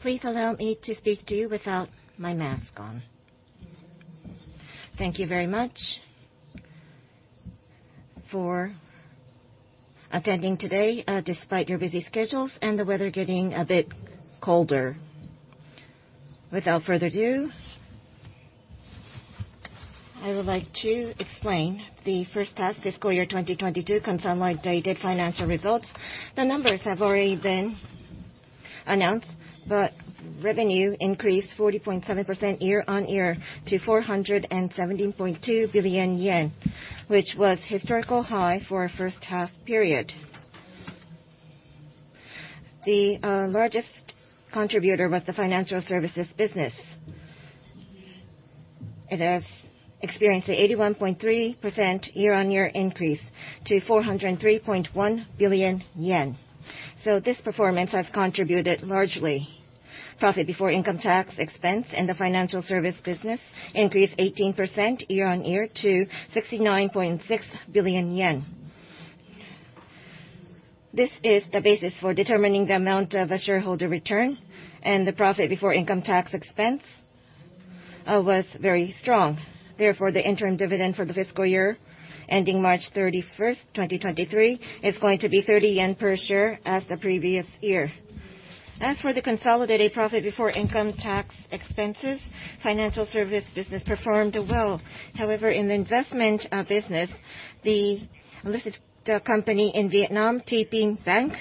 Please allow me to speak to you without my mask on. Thank you very much for attending today despite your busy schedules and the weather getting a bit colder. Without further ado, I would like to explain the first half fiscal year 2022 consolidated financial results. The numbers have already been announced, but revenue increased 40.7% year-on-year to 417.2 billion yen, which was historical high for a first half period. The largest contributor was the financial services business. It has experienced an 81.3% year-on-year increase to 403.1 billion yen. This performance has contributed largely. Profit before income tax expense in the financial service business increased 18% year-on-year to 69.6 billion yen. This is the basis for determining the amount of a shareholder return, and the profit before income tax expense was very strong. Therefore, the interim dividend for the fiscal year ending March 31, 2023, is going to be 30 yen per share as the previous year. As for the consolidated profit before income tax expenses, financial service business performed well. However, in the investment business, the listed company in Vietnam, TPBank,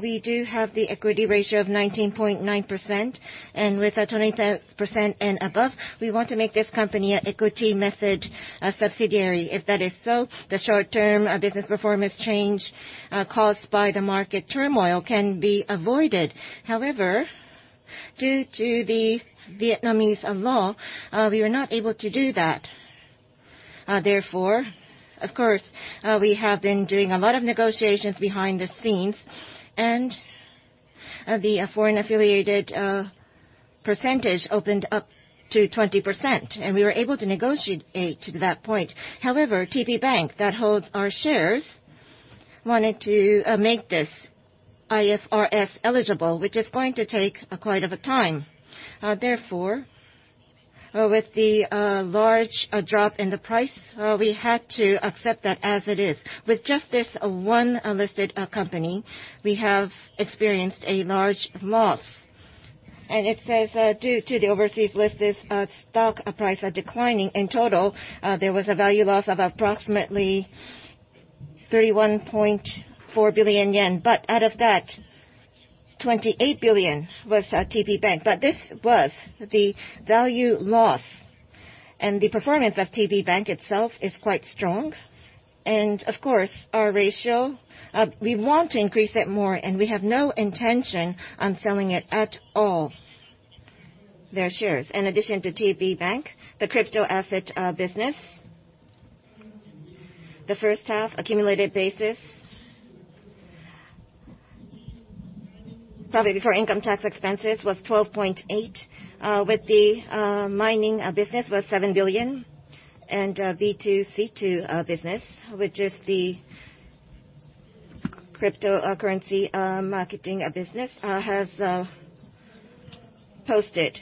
we do have the equity ratio of 19.9%, and with 20% and above, we want to make this company an equity method subsidiary. If that is so, the short-term business performance change caused by the market turmoil can be avoided. However, due to the Vietnamese law, we were not able to do that. Therefore, of course, we have been doing a lot of negotiations behind the scenes, and the foreign affiliated percentage opened up to 20%, and we were able to negotiate up to that point. However, TPBank that holds our shares wanted to make this IFRS eligible, which is going to take quite a bit of time. Therefore, with the large drop in the price, we had to accept that as it is. With just this one unlisted company, we have experienced a large loss. It says, due to the overseas-listed stock price declining, in total, there was a value loss of approximately 31.4 billion yen. Out of that, 28 billion was TPBank. This was the value loss. The performance of TP Bank itself is quite strong. Of course, our ratio, we want to increase that more, and we have no intention on selling it at all, their shares. In addition to TP Bank, the crypto asset business, the first half accumulated basis, profit before income tax expenses was 12.8 billion, with the mining business was 7 billion and B2C2 business, which is the cryptocurrency marketing business, has posted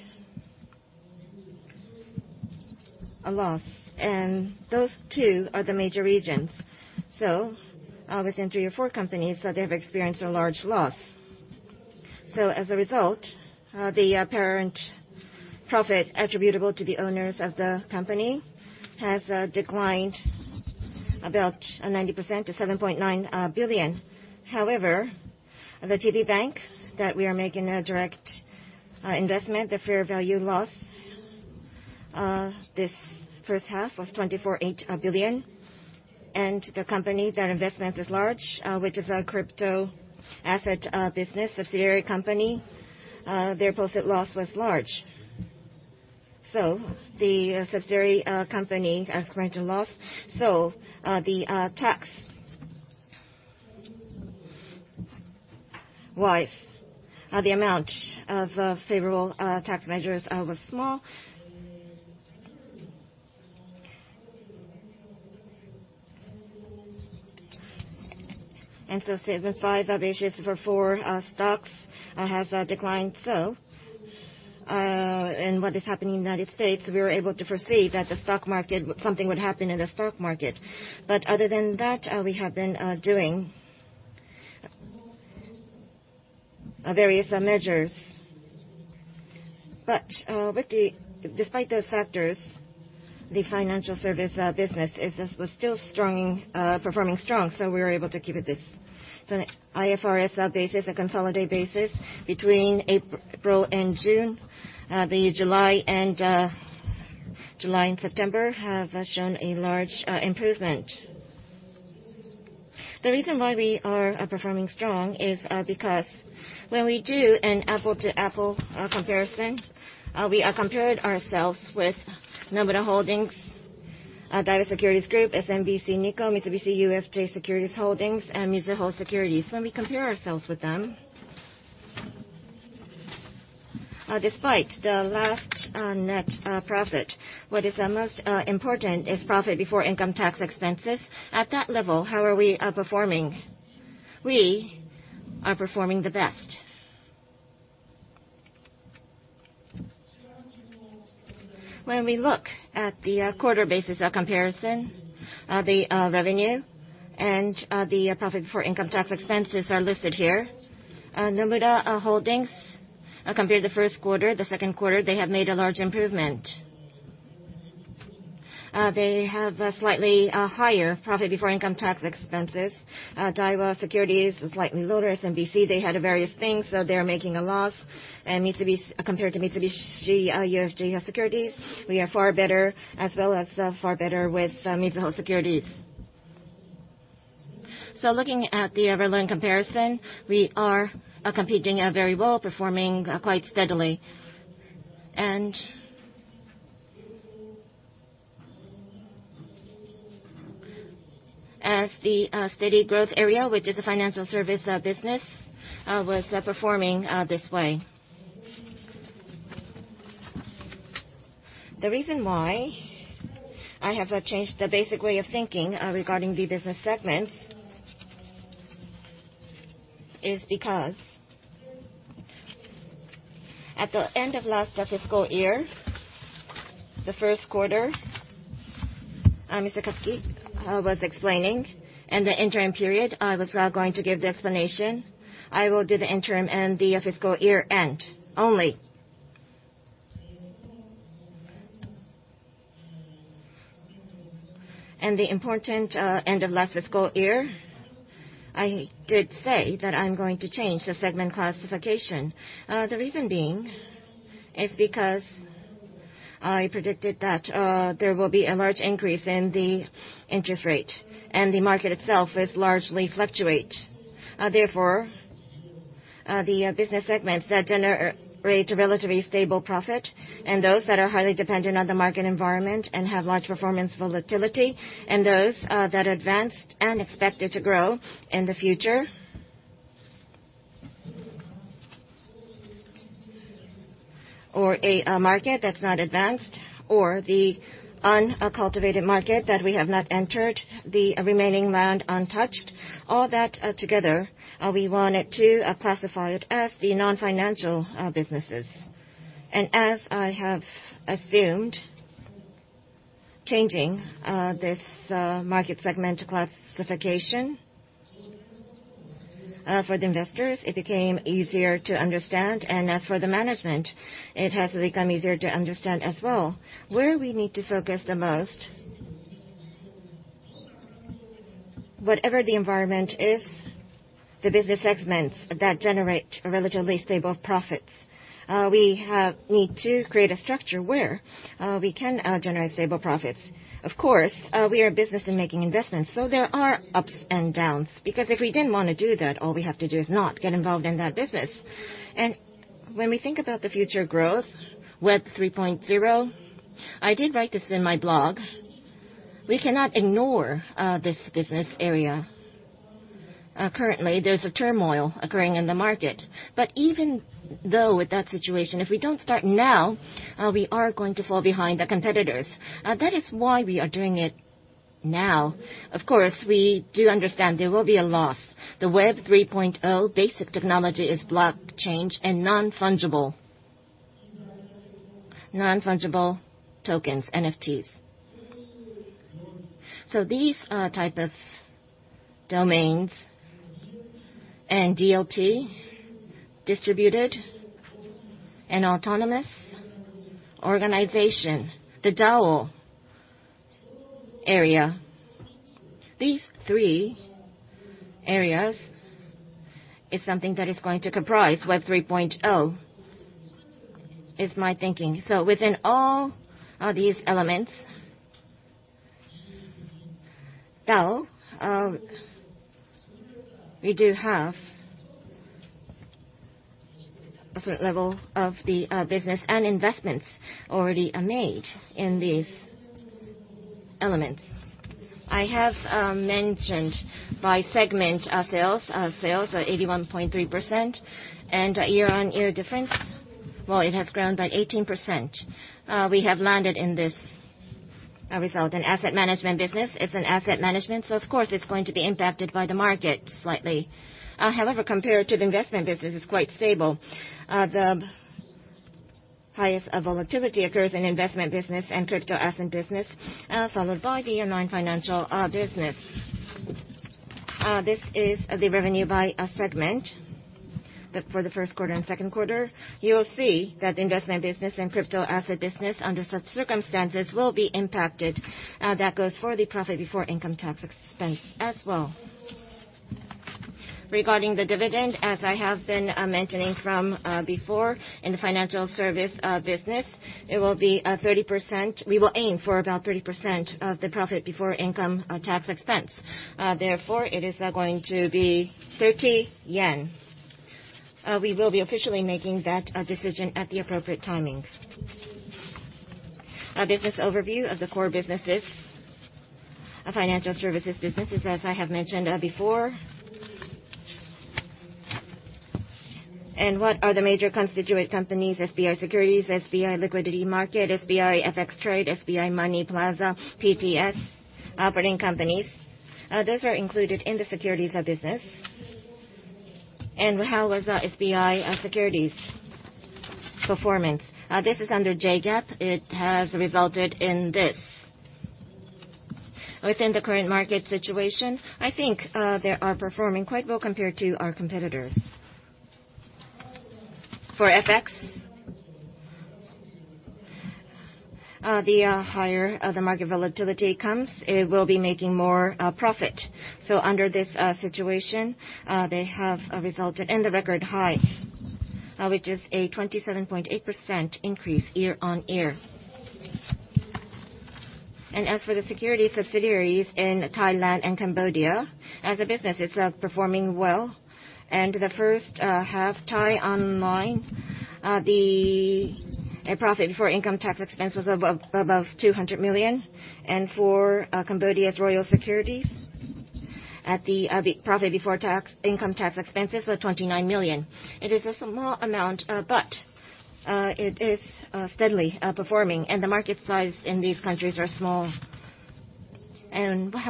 a loss. Those two are the major reasons. Within three or four companies, they have experienced a large loss. As a result, the parent profit attributable to the owners of the company has declined about 90% to 7.9 billion. However, the TPBank that we are making a direct investment, the fair value loss this first half was 24.8 billion. The company that investments is large, which is a crypto asset business subsidiary company, their posted loss was large. The subsidiary company has granted loss. The tax-wise, the amount of favorable tax measures was small. 75 of issues for 4 stocks has declined. What is happening in the United States, we were able to foresee that the stock market something would happen in the stock market. Other than that, we have been doing various measures. Despite those factors, the financial service business is still strong, performing strong, so we were able to keep it this. IFRS basis and consolidated basis between April and June, the July and September have shown a large improvement. The reason why we are performing strong is because when we do an apple-to-apple comparison, we compared ourselves with Nomura Holdings, Daiwa Securities Group, SMBC Nikko, Mitsubishi UFJ Securities Holdings, and Mizuho Securities. When we compare ourselves with them, despite the last net profit, what is the most important is profit before income tax expenses. At that level, how are we performing? We are performing the best. When we look at the quarter basis of comparison, the revenue and the profit before income tax expenses are listed here. Nomura Holdings, compared to first quarter, the second quarter, they have made a large improvement. They have a slightly higher profit before income tax expenses. Daiwa Securities is slightly lower. SMBC, they had various things, so they are making a loss. Compared to Mitsubishi UFJ Securities, we are far better, as well as far better with Mizuho Securities. Looking at the year-over-year comparison, we are competing very well, performing quite steadily. As the steady growth area, which is the financial service business, was performing this way. The reason why I have changed the basic way of thinking regarding the business segments is because at the end of last fiscal year, the first quarter, Mr. Katsuki was explaining. In the interim period, I was going to give the explanation. I will do the interim and the fiscal year-end only. The important end of last fiscal year, I did say that I'm going to change the segment classification. The reason being is because I predicted that there will be a large increase in the interest rate, and the market itself is largely fluctuate. Therefore, the business segments that generate a relatively stable profit, and those that are highly dependent on the market environment and have large performance volatility, and those that advanced and expected to grow in the future. market that's not advanced or the cultivated market that we have not entered, the remaining land untouched, all that together, we wanted to classify it as the non-financial businesses. As I have assumed, changing this market segment classification for the investors, it became easier to understand. As for the management, it has become easier to understand as well. Where we need to focus the most, whatever the environment is, the business segments that generate relatively stable profits, we need to create a structure where we can generate stable profits. Of course, we are a business in making investments, so there are ups and downs. Because if we didn't wanna do that, all we have to do is not get involved in that business. When we think about the future growth, Web 3.0, I did write this in my blog, we cannot ignore this business area. Currently, there's a turmoil occurring in the market. Even though with that situation, if we don't start now, we are going to fall behind the competitors. That is why we are doing it now. Of course, we do understand there will be a loss. The Web 3.0 basic technology is blockchain and non-fungible tokens, NFTs. These type of domains and DLT, distributed ledger technology and decentralized autonomous organization, the DAO area, these three areas is something that is going to comprise Web 3.0, is my thinking. Within all of these elements, DAO, we do have a certain level of the business and investments already are made in these elements. I have mentioned by segment sales. Sales are 81.3%. Year-on-year difference, well, it has grown by 18%. We have landed in this result. In asset management business, it's an asset management, so of course it's going to be impacted by the market slightly. However, compared to the investment business, it's quite stable. The highest volatility occurs in investment business and crypto asset business, followed by the non-financial business. This is the revenue by a segment for the first quarter and second quarter. You will see that the investment business and crypto asset business, under such circumstances, will be impacted. That goes for the profit before income tax expense as well. Regarding the dividend, as I have been mentioning from before, in the financial service business, it will be 30%. We will aim for about 30% of the profit before income tax expense. Therefore, it is going to be 30 yen. We will be officially making that decision at the appropriate timings. A business overview of the core businesses. Financial services businesses, as I have mentioned before. What are the major constituent companies? SBI Securities, SBI Liquidity Market, SBI FX Trade, SBI Money Plaza, PTS operating companies. Those are included in the securities business. How was SBI Securities' performance? This is under JGAAP. It has resulted in this. Within the current market situation, I think they are performing quite well compared to our competitors. For FX, the higher the market volatility comes, it will be making more profit. Under this situation, they have resulted in the record high, which is a 27.8% increase year-on-year. As for the securities subsidiaries in Thailand and Cambodia, as a business, it's performing well. In the first half, Thai Online, the profit before income tax expense was above 200 million. For Cambodia's Royal Securities, the profit before income tax expense was 29 million. It is a small amount, but it is steadily performing, and the market size in these countries are small.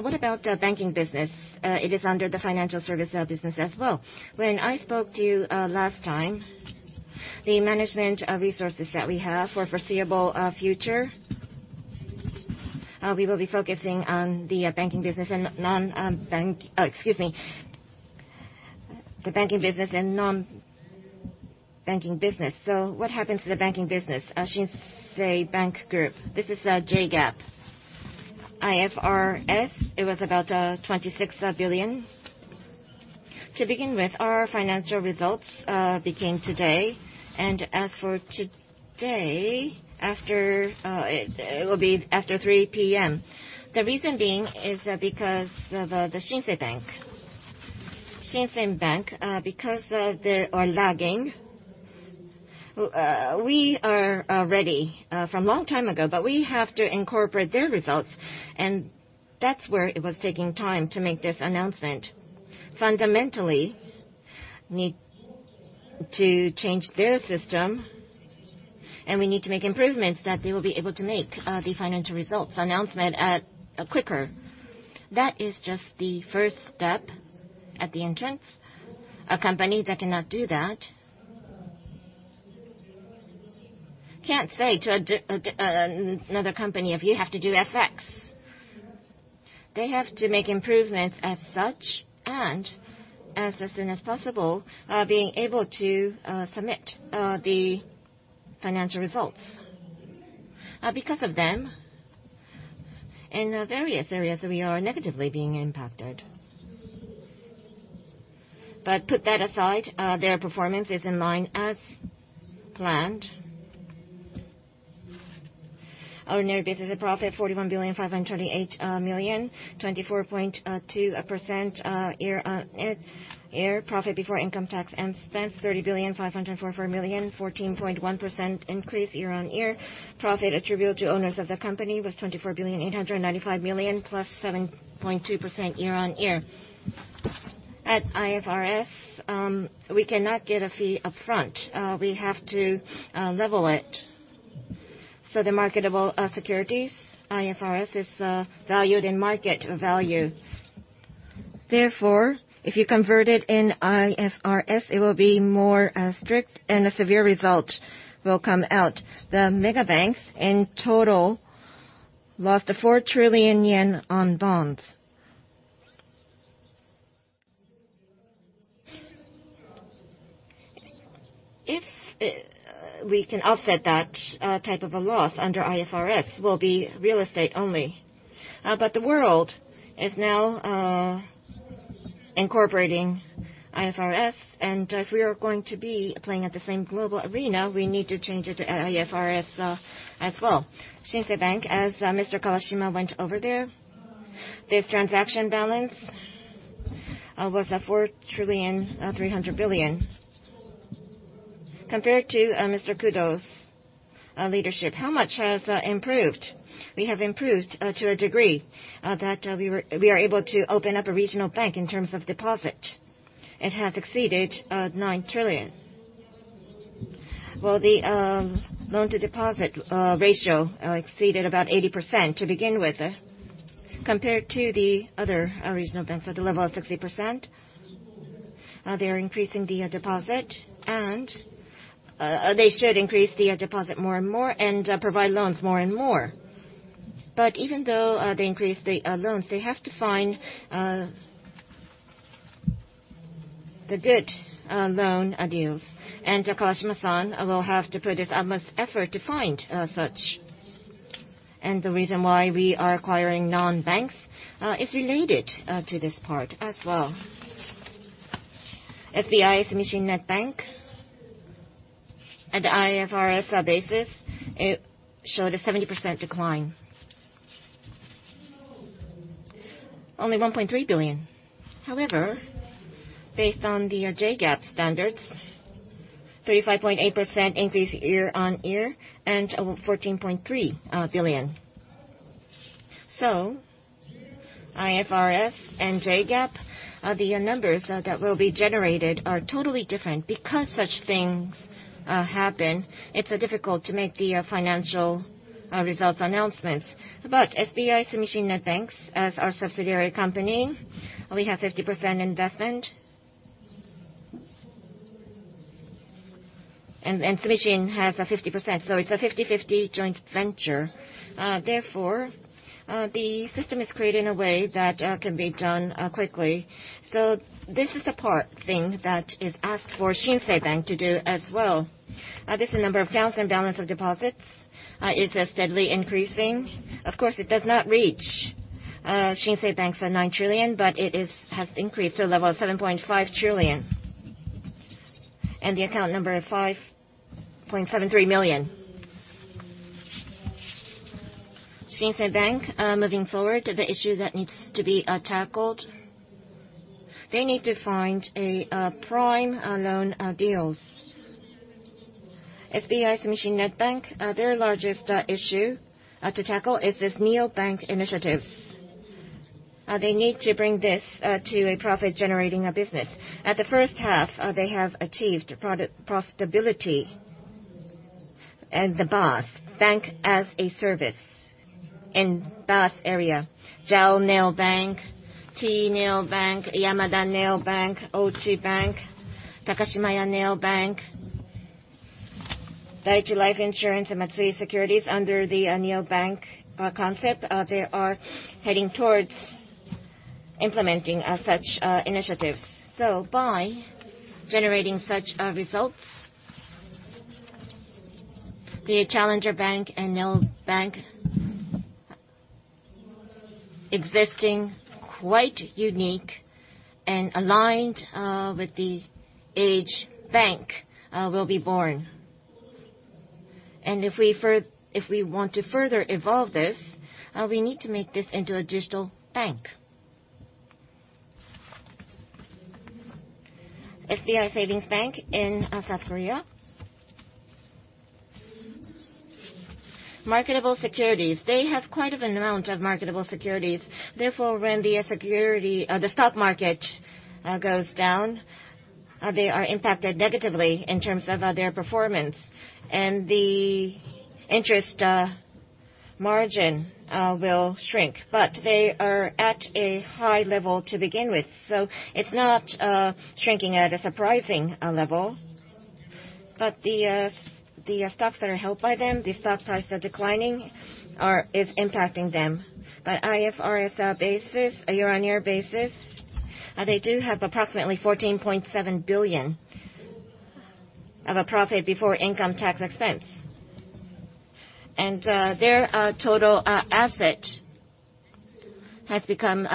What about banking business? It is under the financial service business as well. When I spoke to you last time, the management resources that we have for foreseeable future, we will be focusing on the banking business and non-banking business. What happens to the banking business? Shinsei Bank Group, this is JGAAP. IFRS, it was about 26 billion. To begin with, our financial results begin today. As for today, it will be after 3 P.M. The reason being is because of the Shinsei Bank. Shinsei Bank because they are lagging. We are ready from a long time ago, but we have to incorporate their results, and that's where it was taking time to make this announcement. Fundamentally, need to change their system, and we need to make improvements that they will be able to make the financial results announcement quicker. That is just the first step at the entrance. A company that cannot do that can't say to another company, "You have to do FX." They have to make improvements as such, and as soon as possible, being able to submit the financial results. Because of them, in various areas, we are negatively being impacted. Put that aside, their performance is in line as planned. Ordinary business profit JPY 41.528 billion, 24.2% year-on-year. Profit before income tax and expense, 30.544 billion, 14.1% increase year-on-year. Profit attributable to owners of the company was JPY 24.895 billion, +7.2% year-on-year. At IFRS, we cannot get a fee up front. We have to level it. The marketable securities, IFRS is valued in market value. Therefore, if you convert it in IFRS, it will be more strict and a severe result will come out. The mega banks in total lost 4 trillion yen on bonds. If we can offset that, type of a loss under IFRS will be real estate only. The world is now incorporating IFRS, and if we are going to be playing at the same global arena, we need to change it to IFRS as well. Shinsei Bank, as Mr. Kawashima went over there, this transaction balance was 4.3 trillion. Compared to Mr. Kudo's leadership, how much has improved? We have improved to a degree that we are able to open up a regional bank in terms of deposit. It has exceeded 9 trillion. Well, the loan-to-deposit ratio exceeded about 80% to begin with, compared to the other regional banks at a level of 60%. They are increasing the deposit, and they should increase the deposit more and more and provide loans more and more. But even though they increase the loans, they have to find the good loan deals. Kawashima-san will have to put his utmost effort to find such. The reason why we are acquiring non-banks is related to this part as well. SBI Sumishin Net Bank, at the IFRS basis, it showed a 70% decline. Only 1.3 billion. However, based on the JGAAP standards, 35.8% increase year-on-year and 14.3 billion. So IFRS and JGAAP, the numbers that will be generated are totally different. Because such things happen, it's difficult to make the financial results announcements. SBI Sumishin Net Bank as our subsidiary company, we have 50% investment. Sumishin has 50%, so it's a 50/50 joint venture. Therefore, the system is created in a way that can be done quickly. So this is the part, thing that is asked for Shinsei Bank to do as well. This number of accounts and balance of deposits is steadily increasing. Of course, it does not reach Shinsei Bank's 9 trillion, but it has increased to a level of 7.5 trillion, and the account number of 5.73 million. Shinsei Bank, moving forward, the issue that needs to be tackled, they need to find a prime loan deals. SBI Sumishin Net Bank, their largest issue to tackle is this neobank initiative. They need to bring this to a profit-generating business. At the first half, they have achieved product profitability. The BaaS, Bank-as-a-Service. In BaaS area, JAL NEOBANK, T NEOBANK, Yamada NEOBANK, O2 Bank, Takashimaya NEOBANK, Dai-ichi Life Insurance, and Matsui Securities under the neobank concept, they are heading towards implementing such initiatives. By generating such results, the challenger bank and neobank existing quite unique and aligned with the legacy bank will be born. If we want to further evolve this, we need to make this into a digital bank. SBI Savings Bank in South Korea. Marketable securities. They have quite an amount of marketable securities. Therefore, when the stock market goes down, they are impacted negatively in terms of their performance. The interest margin will shrink. They are at a high level to begin with, so it's not shrinking at a surprising level. The stocks that are held by them, the stock price declining is impacting them. By IFRS basis, a year-on-year basis, they have approximately 14.7 billion of a profit before income tax expense. Their total asset has become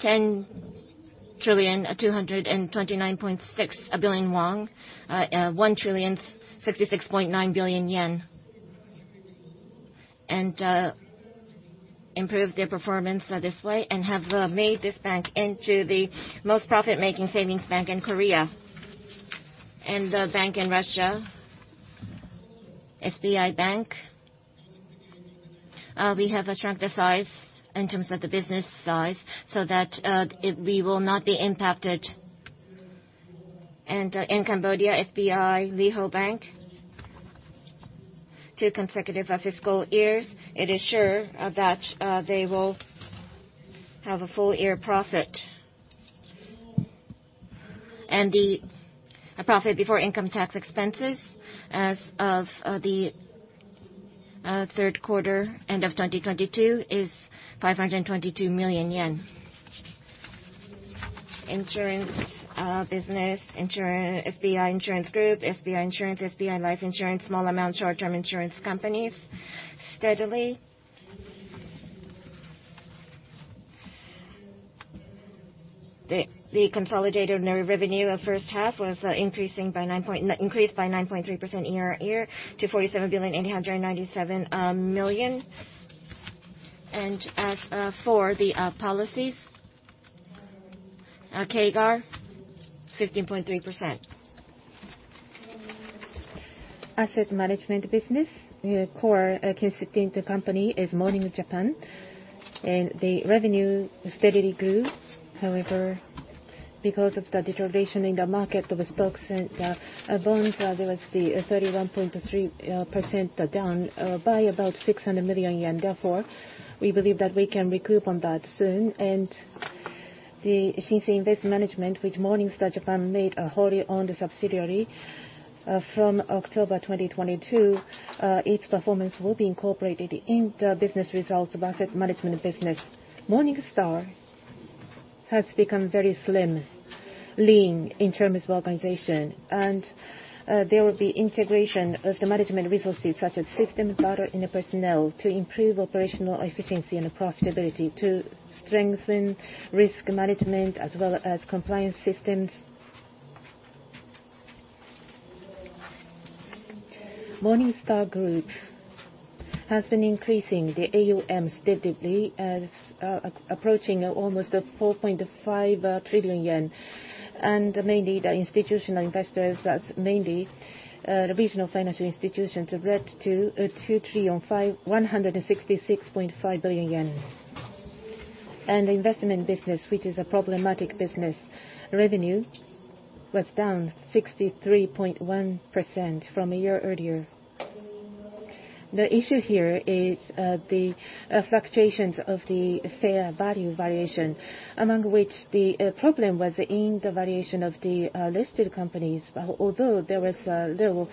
10,229.6 billion won, 1,066.9 billion yen. They improved their performance this way and have made this bank into the most profit-making savings bank in Korea. The bank in Russia, SBI Bank, we have shrunk the size in terms of the business size so that we will not be impacted. In Cambodia, SBI Ly Hour Bank, two consecutive fiscal years, it is sure that they will have a full year profit. Profit before income tax expenses as of the third quarter end of 2022 is 522 million yen. Insurance business, SBI Insurance Group, SBI Insurance, SBI Life Insurance, small amount short-term insurance companies, steadily. The consolidated net revenue of first half increased by 9.3% year on year to 47,897 million. For the policies, CAGR 15.3%. Asset management business, the core constituent company is Morningstar Japan K.K. The revenue steadily grew. However, because of the deterioration in the market of stocks and bonds, there was a 31.3% down by about 600 million yen. Therefore, we believe that we can recoup on that soon. The Shinsei Investment Management, which Morningstar Japan K.K. made a wholly-owned subsidiary from October 2022, its performance will be incorporated in the business results of asset management business. Morningstar has become very slim, lean in terms of organization, and there will be integration of the management resources such as system, data, and personnel to improve operational efficiency and profitability to strengthen risk management as well as compliance systems. Morningstar Group has been increasing the AUM steadily as approaching almost 4.5 trillion yen. Mainly the institutional investors, that's mainly the regional financial institutions have reached 2,566.5 billion yen. Investment business, which is a problematic business, revenue was down 63.1% from a year earlier. The issue here is the fluctuations of the fair value valuation, among which the problem was in the valuation of the listed companies, although there was little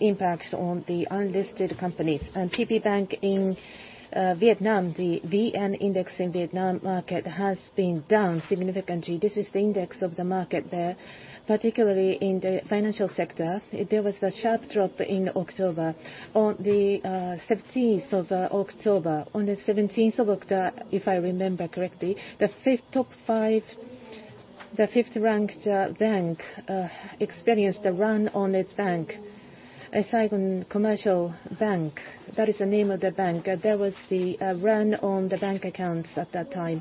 impacts on the unlisted companies. TPBank in Vietnam, the VN-Index in Vietnam market has been down significantly. This is the index of the market there, particularly in the financial sector. There was a sharp drop in October on October 17. On the seventeenth of October, if I remember correctly, the fifth-ranked bank experienced a run on its bank, Saigon Commercial Bank. That is the name of the bank. There was the run on the bank accounts at that time.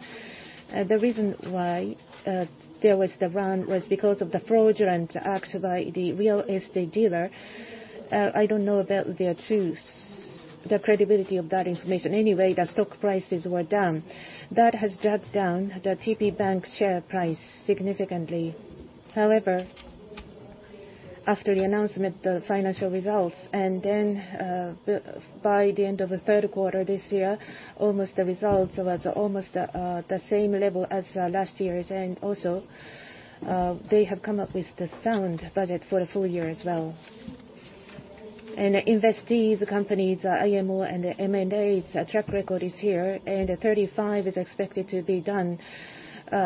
The reason why there was the run was because of the fraudulent act by the real estate dealer. I don't know about the truth, the credibility of that information. Anyway, the stock prices were down. That has dragged down the TPBank share price significantly. However, after the announcement, the financial results, and then, by the end of the third quarter this year, the results was almost the same level as last year's, and also, they have come up with the sound budget for the full year as well. Investee, the companies, IPO and the M&As, our track record is here, and 35 is expected to be done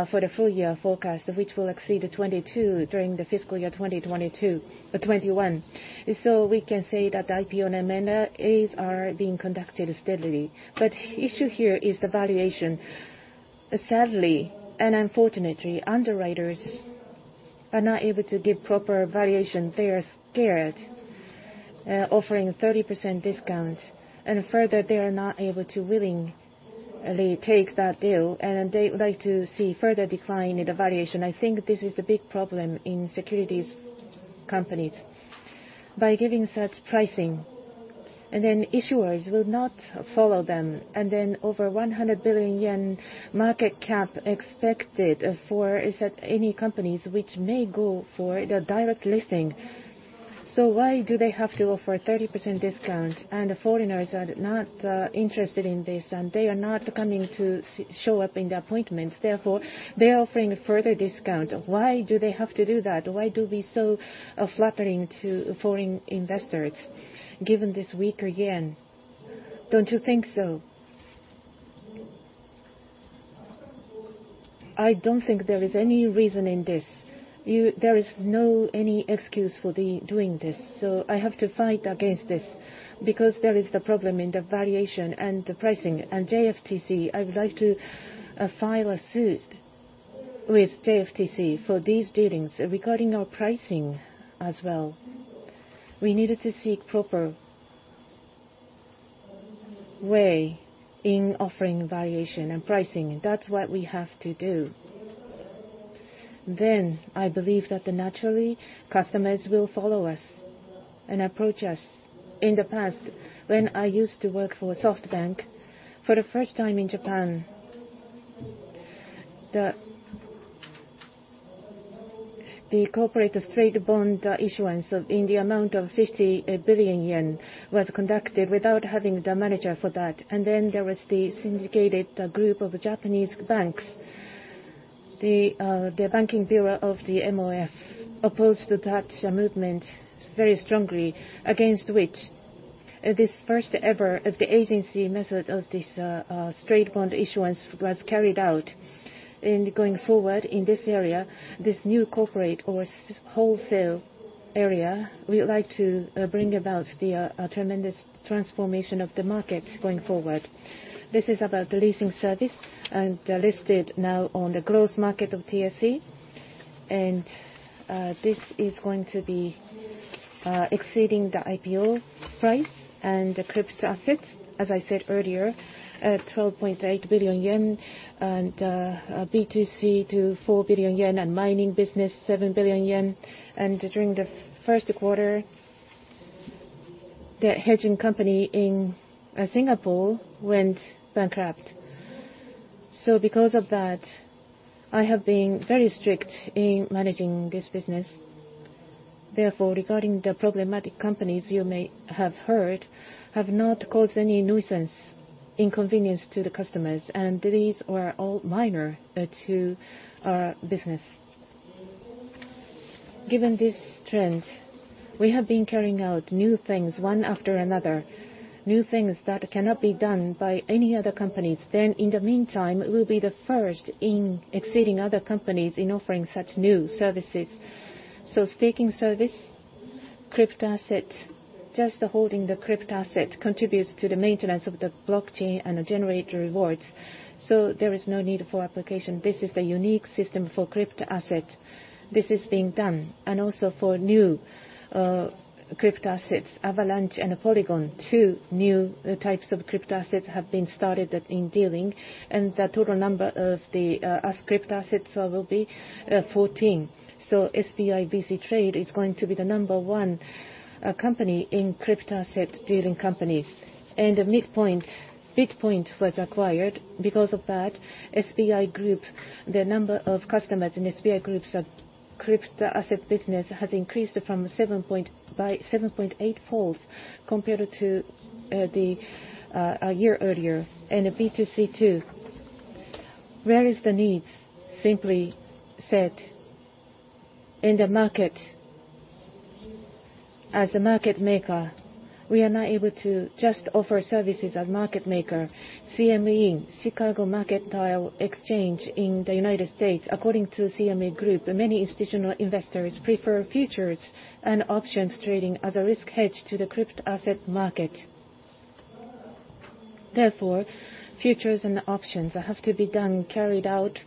for the full year forecast, which will exceed 22 during the fiscal year 2022, 21. We can say that IPO and M&A's are being conducted steadily. Issue here is the valuation. Sadly and unfortunately, underwriters are not able to give proper valuation. They are scared, offering 30% discounts. Further, they are not able to willingly take that deal, and they would like to see further decline in the valuation. I think this is the big problem in securities companies. By giving such pricing, and then issuers will not follow them, and then over 100 billion yen market cap expected for, is that any companies which may go for the direct listing. Why do they have to offer 30% discount? The foreigners are not interested in this, and they are not coming to show up in the appointments. Therefore, they're offering further discount. Why do they have to do that? Why do we so flattering to foreign investors given this weaker yen? Don't you think so? I don't think there is any reason in this. There is no any excuse for the doing this. I have to fight against this because there is the problem in the valuation and the pricing. JFTC, I would like to file a suit with JFTC for these dealings regarding our pricing as well. We needed to seek proper way in offering valuation and pricing. That's what we have to do. I believe that the naturally customers will follow us and approach us. In the past, when I used to work for SoftBank, for the first time in Japan, the corporate straight bond issuance in the amount of 50 billion yen was conducted without having the manager for that. Then there was the syndicated group of Japanese banks. The banking bureau of the MOF opposed to that movement very strongly against which this first ever agency method of this straight bond issuance was carried out. Going forward in this area, this new corporate wholesale area, we would like to bring about the tremendous transformation of the markets going forward. This is about the leasing service and listed now on the growth market of TSE. This is going to be exceeding the IPO price and the crypto assets, as I said earlier, at 12.8 billion yen and BTC to 4 billion yen and mining business, 7 billion yen. During the first quarter, the hedging company in Singapore went bankrupt. Because of that, I have been very strict in managing this business. Therefore, regarding the problematic companies you may have heard have not caused any nuisance, inconvenience to the customers, and these are all minor to our business. Given this trend, we have been carrying out new things one after another, new things that cannot be done by any other companies. In the meantime, we'll be the first in exceeding other companies in offering such new services. Staking service, crypto asset. Just holding the crypto asset contributes to the maintenance of the blockchain and generate rewards. There is no need for application. This is the unique system for crypto asset. This is being done. Also for new crypto assets, Avalanche and Polygon, two new types of crypto assets have been started in dealing, and the total number of crypto assets will be 14. SBI VC Trade is going to be the number one company in crypto asset dealing companies. BITPoint was acquired. Because of that, SBI Group, the number of customers in SBI Group's crypto asset business has increased by 7.8 folds compared to a year earlier. B2C2. Where is the needs? Simply said, in the market, as a market maker, we are not able to just offer services as market maker. CME, Chicago Mercantile Exchange in the United States, according to CME Group, many institutional investors prefer futures and options trading as a risk hedge to the crypto asset market. Therefore, futures and options have to be done, carried out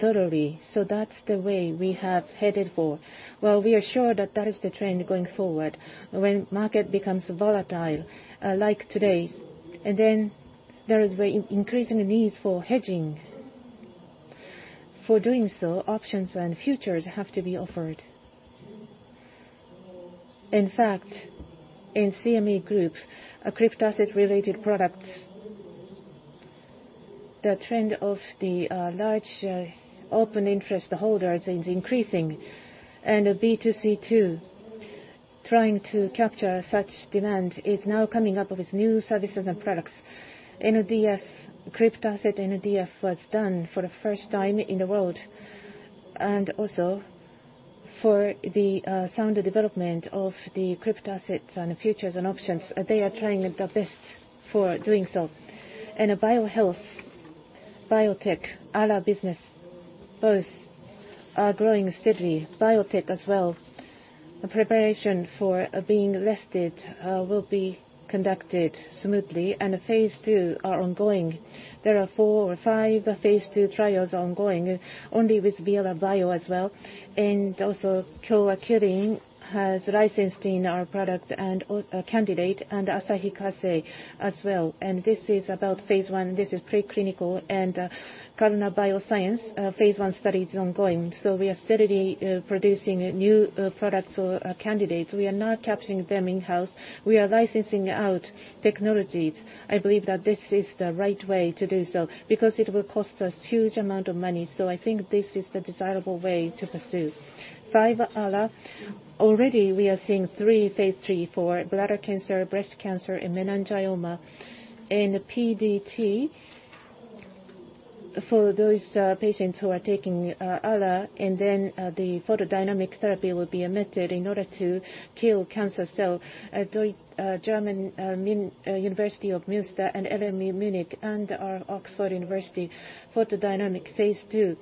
thoroughly. That's the way we have headed for. Well, we are sure that that is the trend going forward. When market becomes volatile, like today, and then there is very increasing needs for hedging. For doing so, options and futures have to be offered. In fact, in CME Group's crypto asset-related products, the trend of the large open interest holders is increasing. B2C2, trying to capture such demand, is now coming up with new services and products. NDF, crypto asset NDF was done for the first time in the world. Also for the sound development of the crypto assets and futures and options, they are trying their best for doing so. Biohealth, biotech, ALA business, both are growing steadily. Biotech as well, the preparation for being listed will be conducted smoothly, and phase II are ongoing. There are four or five phase II trials ongoing, only with BL Bio as well. Kyowa Kirin has licensed in our product and candidate, and Asahi Kasei as well. This is about phase I. This is preclinical. Kalona Bioscience phase I study is ongoing. We are steadily producing new products or candidates. We are not capturing them in-house. We are licensing out technologies. I believe that this is the right way to do so because it will cost us huge amount of money. I think this is the desirable way to pursue. 5-ALA, already we are seeing phase III for bladder cancer, breast cancer, and meningioma. PDT for those patients who are taking ALA, and then the photodynamic therapy will be emitted in order to kill cancer cell. At German University of Münster and LMU Munich and Oxford University, photodynamic phase II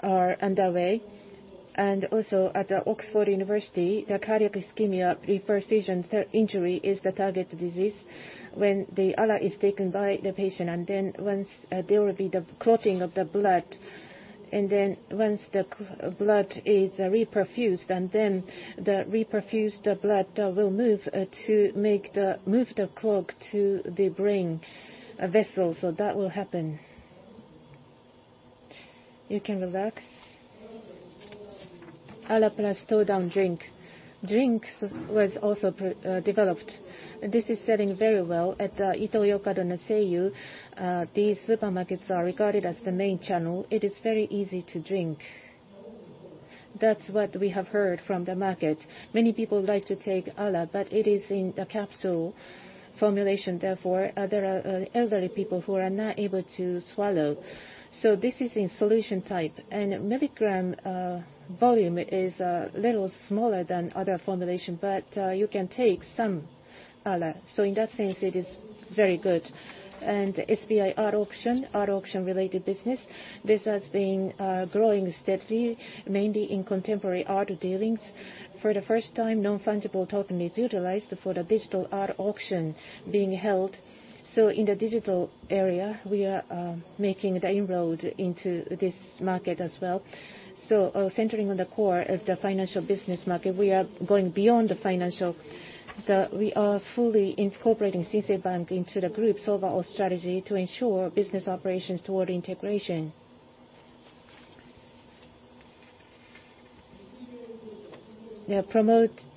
are underway. Also at Oxford University, the cardiac ischemia-reperfusion injury is the target disease. When the ALA is taken by the patient, and then once, there will be the clotting of the blood, and then once the blood is reperfused, and then the reperfused blood will move to move the clog to the brain vessel. That will happen. You can relax. ALA Plus TO DOWN Drink. Drink was also developed. This is selling very well at the Ito-Yokado and Seiyu. These supermarkets are regarded as the main channel. It is very easy to drink. That's what we have heard from the market. Many people like to take ALA, but it is in the capsule formulation, therefore, there are elderly people who are not able to swallow. This is in solution type. Milligram volume is little smaller than other formulation, but you can take some ALA. In that sense, it is very good. SBI Art Auction, art auction-related business. This has been growing steadily, mainly in contemporary art dealings. For the first time, non-fungible token is utilized for the digital art auction being held. In the digital area, we are making inroads into this market as well. Centering on the core of the financial business market, we are going beyond the financial. We are fully incorporating Shinsei Bank into the group's overall strategy to ensure business operations toward integration.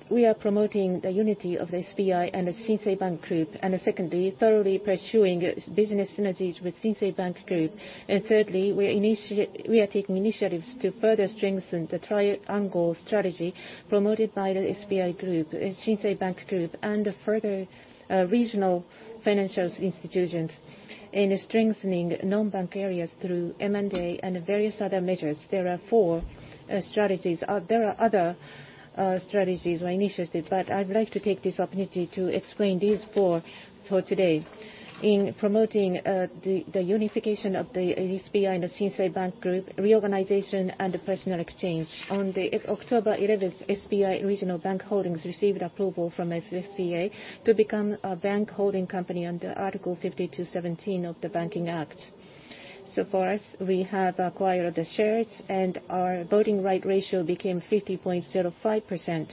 We are promoting the unity of the SBI and the Shinsei Bank Group. Secondly, thoroughly pursuing business synergies with Shinsei Bank Group. We are taking initiatives to further strengthen the triangle strategy promoted by the SBI Group, Shinsei Bank Group, and regional financial institutions in strengthening non-bank areas through M&A and various other measures. There are four strategies. There are other strategies or initiatives, but I would like to take this opportunity to explain these four for today. In promoting the unification of the SBI and the Shinsei Bank Group, reorganization, and the personnel exchange. On October 11th, SBI Regional Bank Holdings received approval from FSA to become a bank holding company under Article 52-17 of the Banking Act. For us, we have acquired the shares, and our voting right ratio became 50.05%.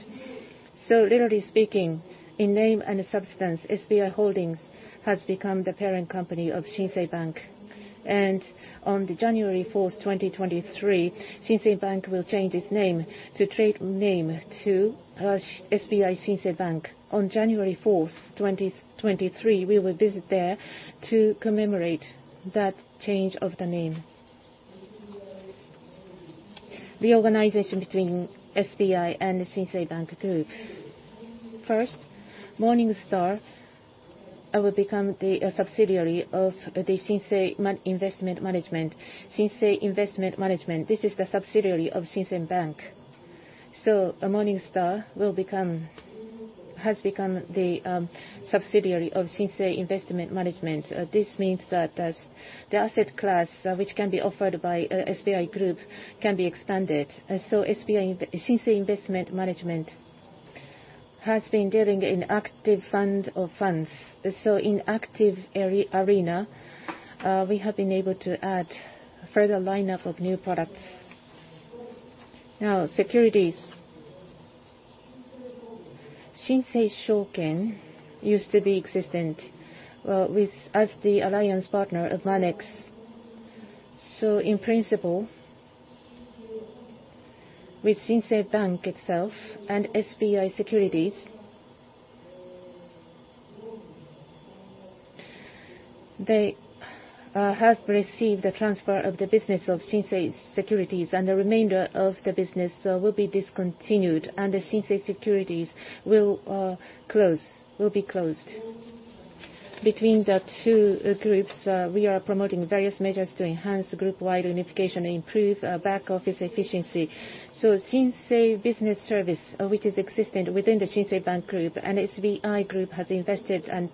Literally speaking, in name and substance, SBI Holdings has become the parent company of Shinsei Bank. On January 4, 2023, Shinsei Bank will change its trade name to SBI Shinsei Bank. On January 4, 2023, we will visit there to commemorate that change of the name. The organization between SBI and the Shinsei Bank Group. First, Morningstar will become the subsidiary of Shinsei Investment Management. Shinsei Investment Management, this is the subsidiary of Shinsei Bank. Morningstar has become the subsidiary of Shinsei Investment Management. This means that the asset class which can be offered by SBI Group can be expanded. Shinsei Investment Management has been dealing in active fund of funds. In active arena, we have been able to add further lineup of new products. Now, securities. Shinsei Securities used to be existent as the alliance partner of Monex. In principle, with Shinsei Bank itself and SBI Securities, they have received the transfer of the business of Shinsei Securities, and the remainder of the business will be discontinued, and the Shinsei Securities will be closed. Between the two groups, we are promoting various measures to enhance group-wide unification and improve back-office efficiency. Shinsei Business Services, which is existent within the Shinsei Bank Group, and SBI Group has invested and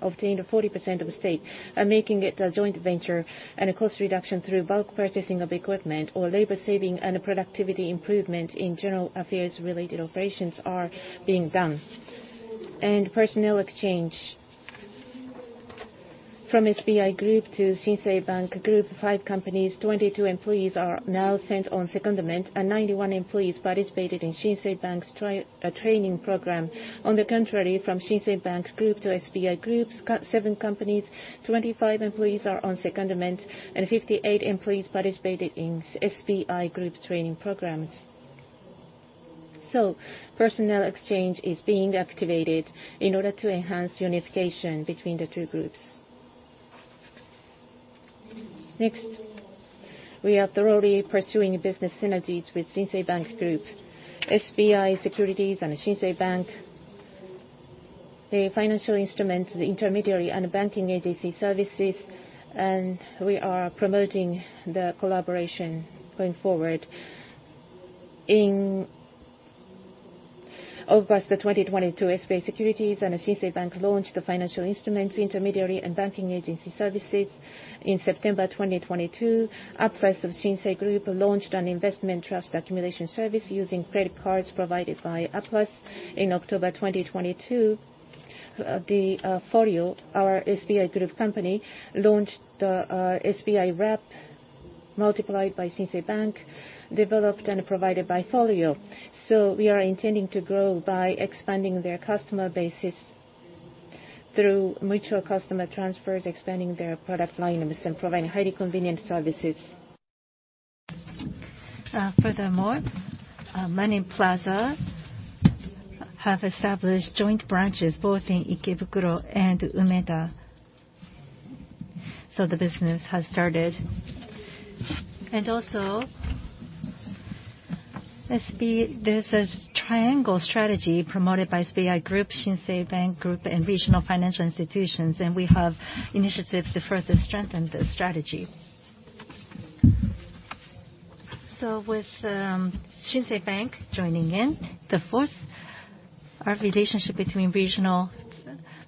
obtained a 40% stake, making it a joint venture and a cost reduction through bulk purchasing of equipment or labor saving and productivity improvement in general affairs-related operations are being done. Personnel exchange. From SBI Group to Shinsei Bank Group, 5 companies, 22 employees are now sent on secondment, and 91 employees participated in Shinsei Bank's training program. On the contrary, from Shinsei Bank Group to SBI Group, 7 companies, 25 employees are on secondment, and 58 employees participated in SBI Group training programs. Personnel exchange is being activated in order to enhance unification between the two groups. Next, we are thoroughly pursuing business synergies with Shinsei Bank Group, SBI Securities, and Shinsei Bank in the financial instruments intermediary and banking agency services, and we are promoting the collaboration going forward. In August of 2022, SBI Securities and Shinsei Bank launched the financial instruments intermediary and banking agency services. In September 2022, Aplus of Shinsei Group launched an investment trust accumulation service using credit cards provided by Aplus. In October 2022, the Folio, our SBI Group company, launched the SBI Wrap in collaboration with Shinsei Bank, developed and provided by Folio. We are intending to grow by expanding their customer bases through mutual customer transfers, expanding their product lineups, and providing highly convenient services. Furthermore, Money Plaza have established joint branches both in Ikebukuro and Umeda. The business has started. There's a triangle strategy promoted by SBI Group, Shinsei Bank Group, and regional financial institutions, and we have initiatives to further strengthen the strategy. With Shinsei Bank joining in, our relationship between regional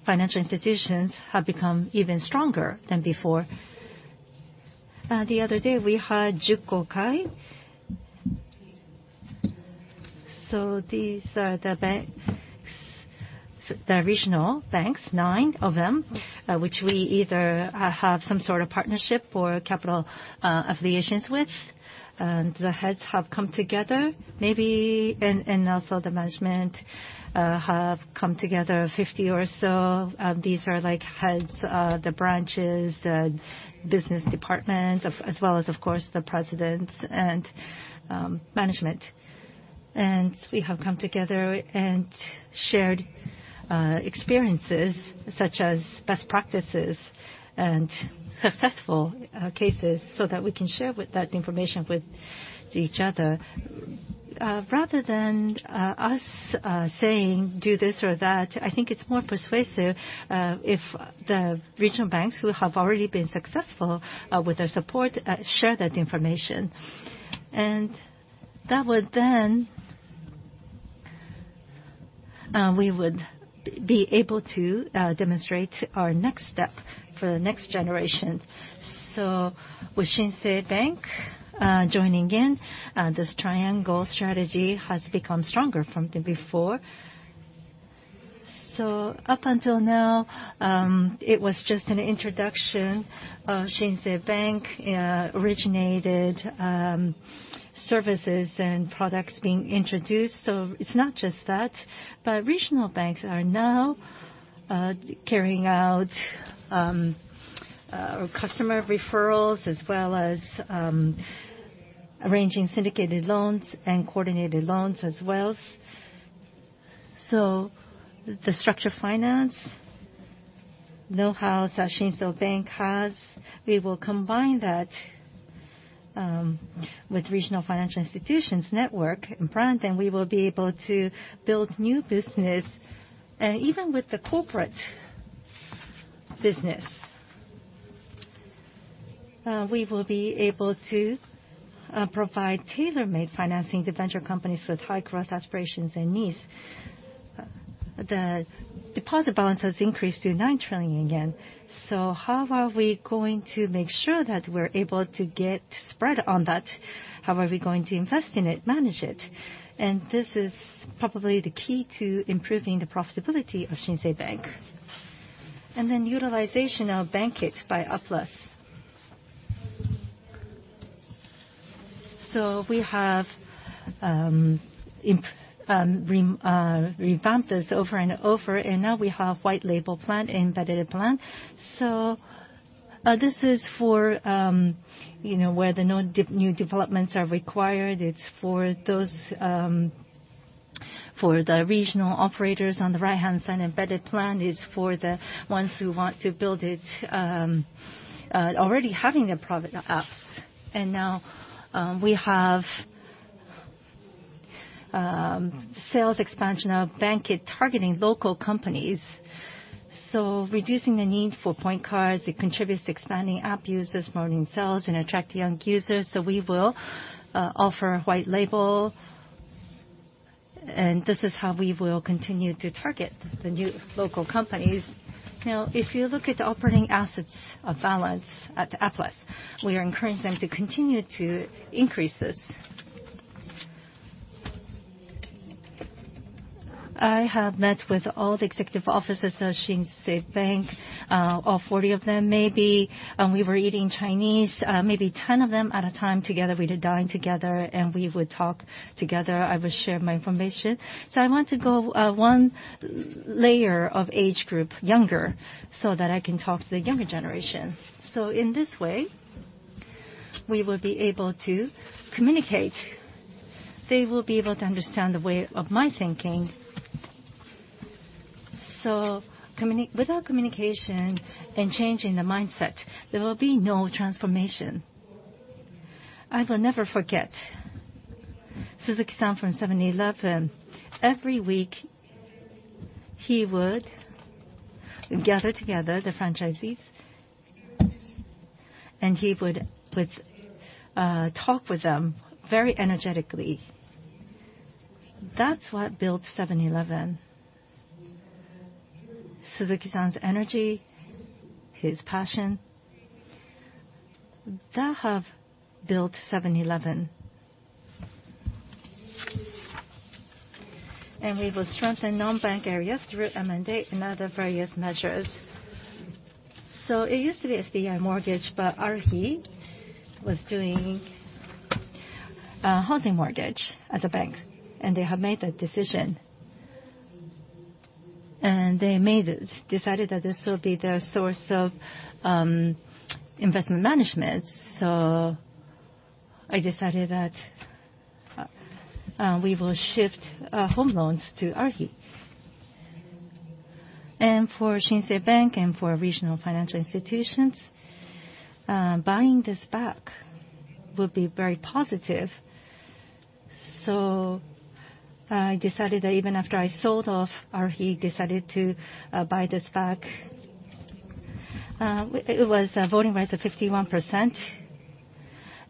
financial institutions have become even stronger than before. The other day we had Jukokai. These are the regional banks, 9 of them, which we either have some sort of partnership or capital affiliations with. The heads have come together maybe, and also the management have come together, 50 or so. These are like heads of the branches, the business departments, of, as well as, of course, the presidents and management. We have come together and shared experiences such as best practices and successful cases, so that we can share that information with each other. Rather than us saying, "Do this or that," I think it's more persuasive if the regional banks who have already been successful with their support share that information. That would then we would be able to demonstrate our next step for the next generation. With Shinsei Bank joining in, this triangle strategy has become stronger than before. Up until now, it was just an introduction of Shinsei Bank services and products being introduced. It's not just that, but regional banks are now carrying out customer referrals as well as arranging syndicated loans and coordinated loans as well. The structured finance knowhow that Shinsei Bank has, we will combine that with regional financial institutions network and brand, and we will be able to build new business. Even with the corporate business, we will be able to provide tailor-made financing to venture companies with high growth aspirations and needs. The deposit balance has increased to 9 trillion yen. How are we going to make sure that we're able to get spread on that? How are we going to invest in it, manage it? This is probably the key to improving the profitability of Shinsei Bank. Utilization of BANKIT by Aplus. We have revamped this over and over, and now we have white label plan, embedded plan. This is for where new developments are required. It's for the regional operators on the right-hand side. Embedded plan is for the ones who want to build it already having the product apps. We have sales expansion of BANKIT targeting local companies. Reducing the need for point cards, it contributes to expanding app users, promoting sales, and attract young users. We will offer white label, and this is how we will continue to target the new local companies. Now, if you look at the operating assets of balance at Aplus, we are encouraging them to continue to increase this. I have met with all the executive officers of Shinsei Bank, all 40 of them maybe, and we were eating Chinese, maybe 10 of them at a time together. We did dine together, and we would talk together. I would share my information. I want to go, one layer of age group younger so that I can talk to the younger generation. In this way, we will be able to communicate. They will be able to understand the way of my thinking. Without communication and change in the mindset, there will be no transformation. I will never forget Suzuki-san from 7-Eleven. Every week, he would gather together the franchisees, and he would talk with them very energetically. That's what built 7-Eleven. Suzuki-san's energy, his passion, that have built 7-Eleven. We will strengthen non-bank areas through M&A and other various measures. It used to be SBI Mortgage, but ARUHI was doing housing mortgage as a bank, and they have made that decision. They made it, decided that this will be their source of investment management. I decided that we will shift home loans to ARUHI. For Shinsei Bank and for regional financial institutions, buying this back will be very positive. I decided that even after I sold off, ARUHI decided to buy this back. It was a voting rights of 51%,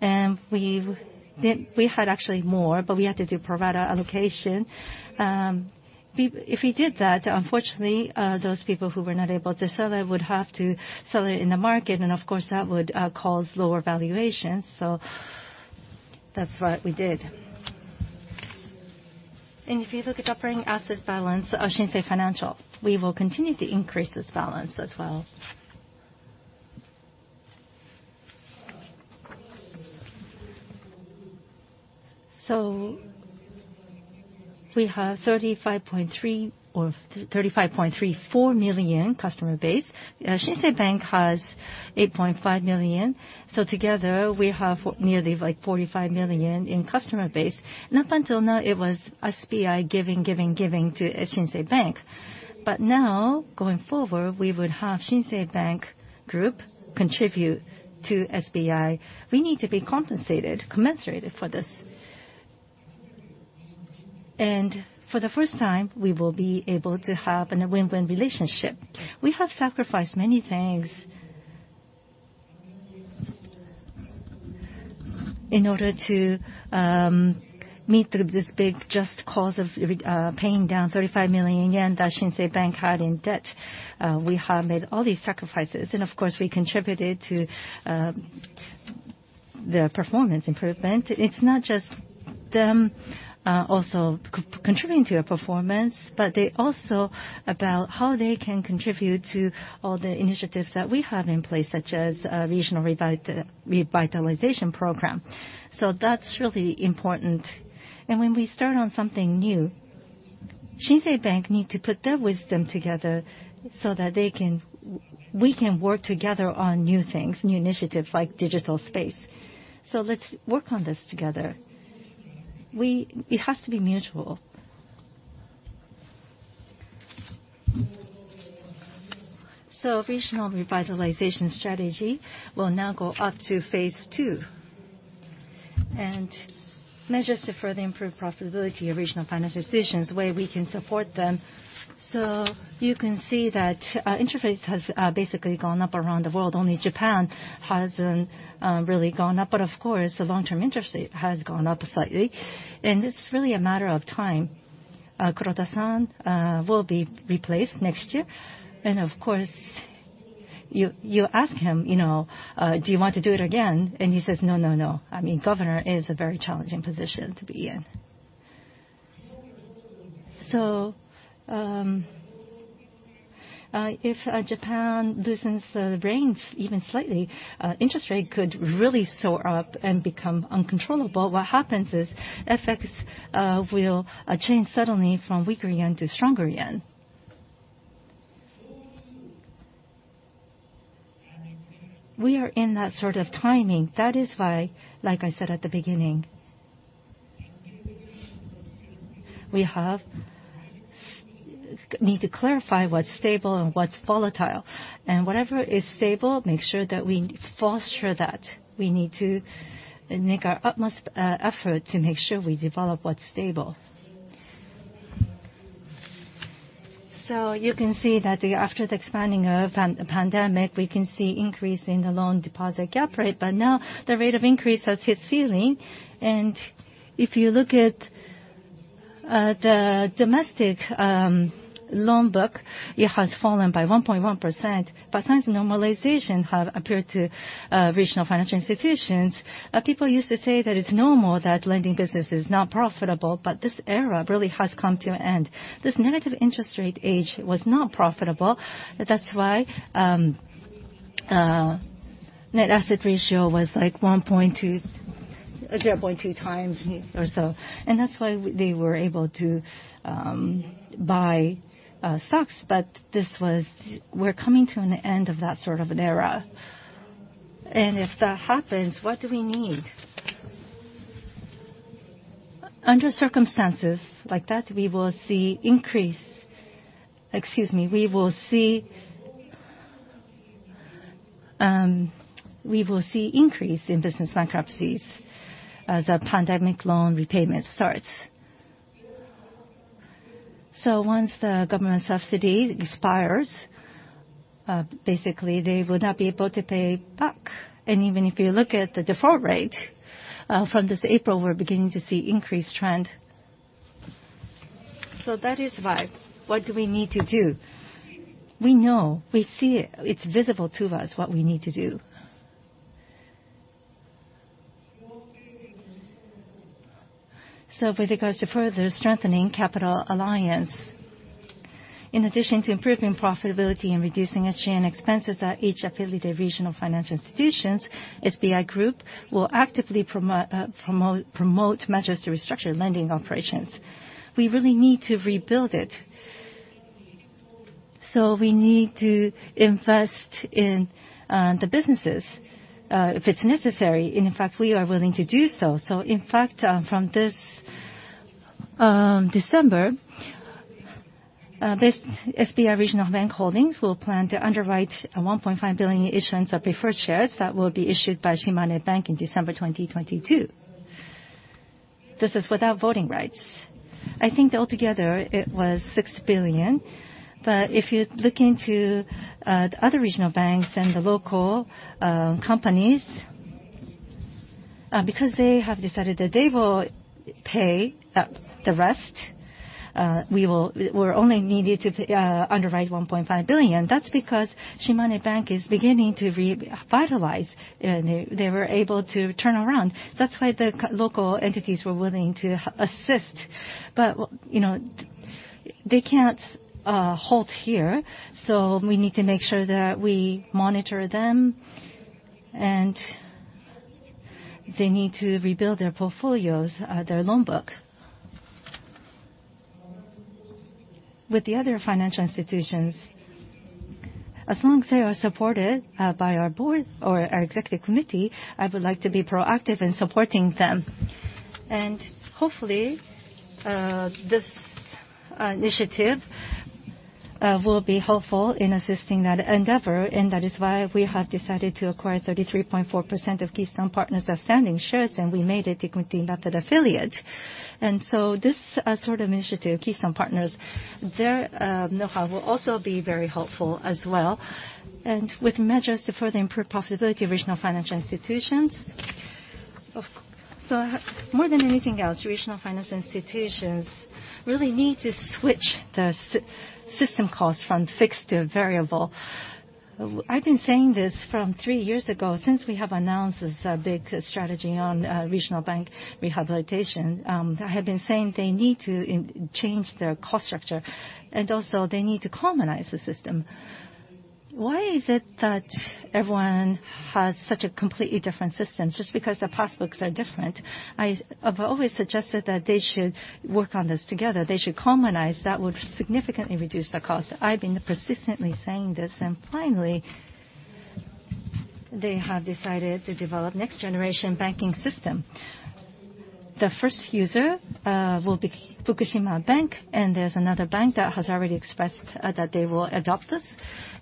and we had actually more, but we had to do pro-rata allocation. If we did that, unfortunately, those people who were not able to sell it would have to sell it in the market, and of course, that would cause lower valuations. That's what we did. If you look at the operating asset balance of Shinsei Financial, we will continue to increase this balance as well. We have 35.34 million customer base. Shinsei Bank has 8.5 million. Together, we have nearly like 45 million in customer base. Up until now, it was SBI giving to Shinsei Bank. Now, going forward, we would have Shinsei Bank Group contribute to SBI. We need to be compensated, commensurated for this. For the first time, we will be able to have a win-win relationship. We have sacrificed many things in order to meet this big just cause of paying down 35 million yen that Shinsei Bank had in debt. We have made all these sacrifices, and of course, we contributed to the performance improvement. It's not just them, also contributing to your performance, but it's also about how they can contribute to all the initiatives that we have in place, such as regional revitalization program. That's really important. When we start on something new, Shinsei Bank need to put their wisdom together so that they can, we can work together on new things, new initiatives like digital space. Let's work on this together. It has to be mutual. Regional revitalization strategy will now go up to phase II. Measures to further improve profitability of regional financial institutions, where we can support them. You can see that, interest rates has basically gone up around the world, only Japan hasn't really gone up. Of course, the long-term interest rate has gone up slightly. It's really a matter of time. Kuroda-san will be replaced next year. Of course, you ask him, you know, "Do you want to do it again?" He says, "No, no." I mean, governor is a very challenging position to be in. If Japan loosens the reins even slightly, interest rate could really soar up and become uncontrollable. What happens is, FX will change suddenly from weaker yen to stronger yen. We are in that sort of timing. That is why, like I said at the beginning, we need to clarify what's stable and what's volatile. Whatever is stable, make sure that we foster that. We need to make our utmost effort to make sure we develop what's stable. You can see that after the expansion of the pandemic, we can see increase in the loan deposit gap rate. Now the rate of increase has hit ceiling. If you look at the domestic loan book, it has fallen by 1.1%. Since normalization has appeared to regional financial institutions, people used to say that it's normal that lending business is not profitable, but this era really has come to an end. This negative interest rate age was not profitable. That's why net asset ratio was like 1.2-0.2 times or so. That's why they were able to buy stocks, but this was, we're coming to an end of that sort of an era. If that happens, what do we need? Under circumstances like that, we will see increase in business bankruptcies as the pandemic loan repayment starts. Once the government subsidy expires, basically they will not be able to pay back. Even if you look at the default rate, from this April, we're beginning to see increased trend. That is why, what do we need to do? We know, we see it's visible to us what we need to do. With regards to further strengthening capital alliance, in addition to improving profitability and reducing SG&A expenses at each affiliated regional financial institutions, SBI Group will actively promote measures to restructure lending operations. We really need to rebuild it. We need to invest in the businesses if it's necessary. In fact, we are willing to do so. In fact, from this December, this SBI Regional Bank Holdings will plan to underwrite a 1.5 billion issuance of preferred shares that will be issued by Shimane Bank in December 2022. This is without voting rights. I think altogether it was 6 billion. If you look into the other regional banks and the local companies, because they have decided that they will pay the rest, we're only needed to underwrite 1.5 billion. That's because Shimane Bank is beginning to revitalize, and they were able to turn around. That's why the local entities were willing to assist. You know, they can't halt here, so we need to make sure that we monitor them. They need to rebuild their portfolios, their loan book. With the other financial institutions, as long as they are supported by our board or our executive committee, I would like to be proactive in supporting them. Hopefully, this initiative will be helpful in assisting that endeavor. That is why we have decided to acquire 33.4% of Keystone Partners' outstanding shares, and we made it a consolidated affiliate. This sort of initiative, Keystone Partners, their know-how will also be very helpful as well. With measures to further improve profitability of regional financial institutions, so more than anything else, regional financial institutions really need to switch the system costs from fixed to variable. I've been saying this from three years ago, since we have announced this big strategy on regional bank rehabilitation. I have been saying they need to change their cost structure, and also they need to commonize the system. Why is it that everyone has such a completely different system just because their passbooks are different? I've always suggested that they should work on this together. They should commonize. That would significantly reduce the cost. I've been persistently saying this, and finally, they have decided to develop next-generation banking system. The first user will be Fukushima Bank, and there's another bank that has already expressed that they will adopt this.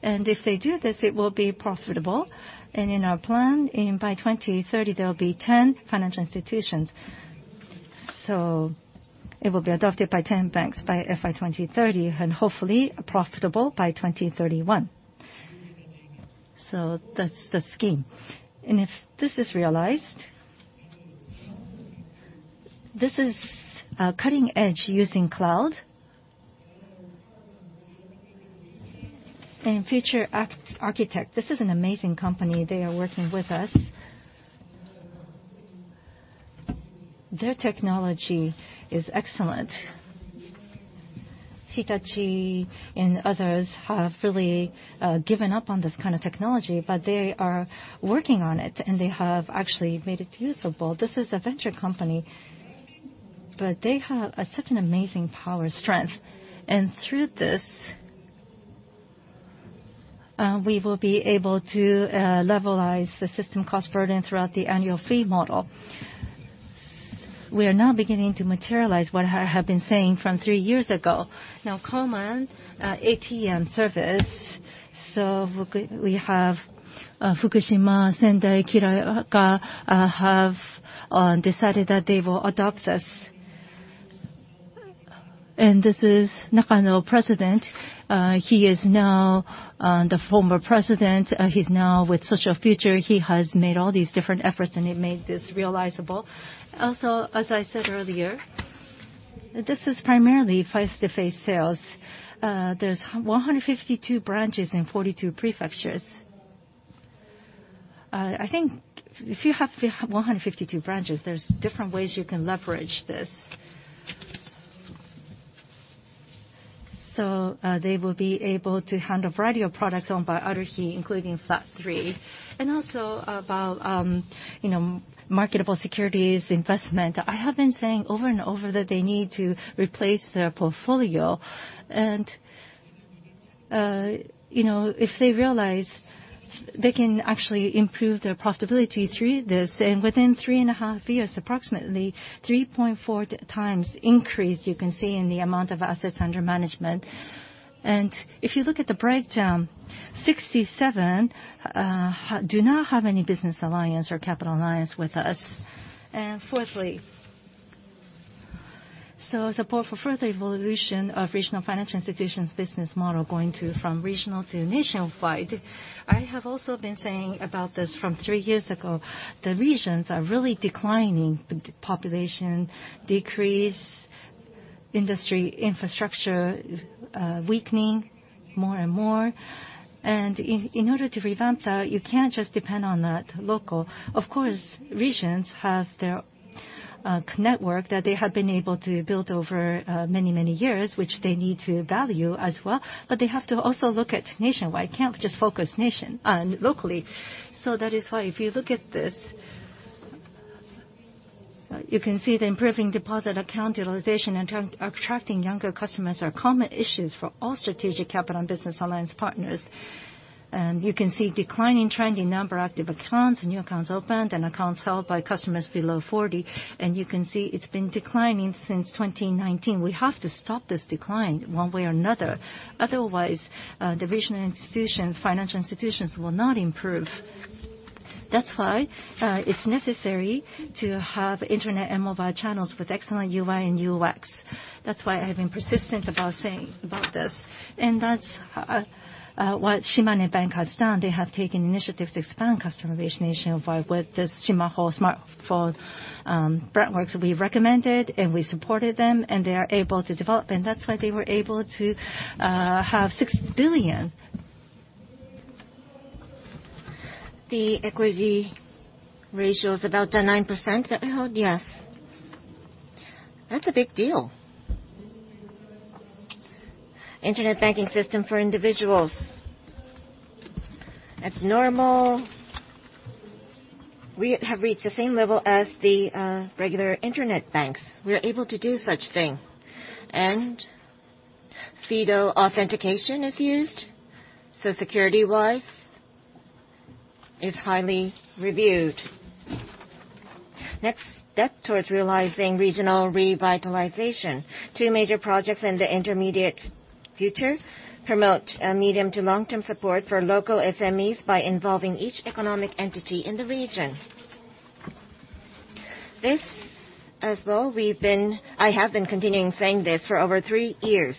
If they do this, it will be profitable. In our plan, by 2030, there'll be 10 financial institutions. It will be adopted by 10 banks by FY 2030 and hopefully profitable by 2031. That's the scheme. If this is realized, this is cutting edge using cloud. Future Architect, this is an amazing company. They are working with us. Their technology is excellent. Hitachi and others have really given up on this kind of technology, but they are working on it, and they have actually made it usable. This is a venture company, but they have such an amazing power strength. Through this, we will be able to levelize the system cost burden throughout the annual fee model. We are now beginning to materialize what I have been saying from three years ago. Now common ATM service, so we have Fukushima, Sendai, Kiritaka have decided that they will adopt us. This is Nakano President. He is now the former president. He's now with Social Future. He has made all these different efforts, and he made this realizable. Also, as I said earlier, this is primarily face-to-face sales. There's 152 branches in 42 prefectures. I think if you have 152 branches, there's different ways you can leverage this. They will be able to handle a variety of products owned by ARUHI, including Flat 35. Also about, you know, marketable securities investment. I have been saying over and over that they need to replace their portfolio. You know, if they realize they can actually improve their profitability through this, and within three and a half years, approximately 3.4 times increase, you can see in the amount of assets under management. If you look at the breakdown, 67 do not have any business alliance or capital alliance with us. Fourthly, support for further evolution of regional financial institutions' business model going from regional to nationwide. I have also been saying about this from three years ago. The regions are really declining, the population decrease, industry infrastructure weakening more and more. In order to revamp that, you can't just depend on that local. Of course, regions have their network that they have been able to build over many years, which they need to value as well, but they have to also look at nationwide, can't just focus locally. That is why if you look at this, you can see the improving deposit account utilization and attracting younger customers are common issues for all strategic capital and business alliance partners. You can see declining trending number of active accounts, new accounts opened, and accounts held by customers below 40, and you can see it's been declining since 2019. We have to stop this decline one way or another. Otherwise, the regional institutions, financial institutions will not improve. That's why it's necessary to have internet and mobile channels with excellent UI and UX. That's why I have been persistent about saying about this. That's what Shimane Bank has done. They have taken initiatives to expand customer base nationwide with this Shimaho smartphone frameworks we recommended, and we supported them, and they are able to develop, and that's why they were able to have 6 billion. The equity ratio is about 9% that we hold, yes. That's a big deal. Internet banking system for individuals. At normal, we have reached the same level as the regular internet banks. We are able to do such thing. FIDO authentication is used, so security-wise is highly reviewed. Next step towards realizing regional revitalization. Two major projects in the intermediate future promote a medium to long-term support for local SMEs by involving each economic entity in the region. This as well, I have been continuing saying this for over three years.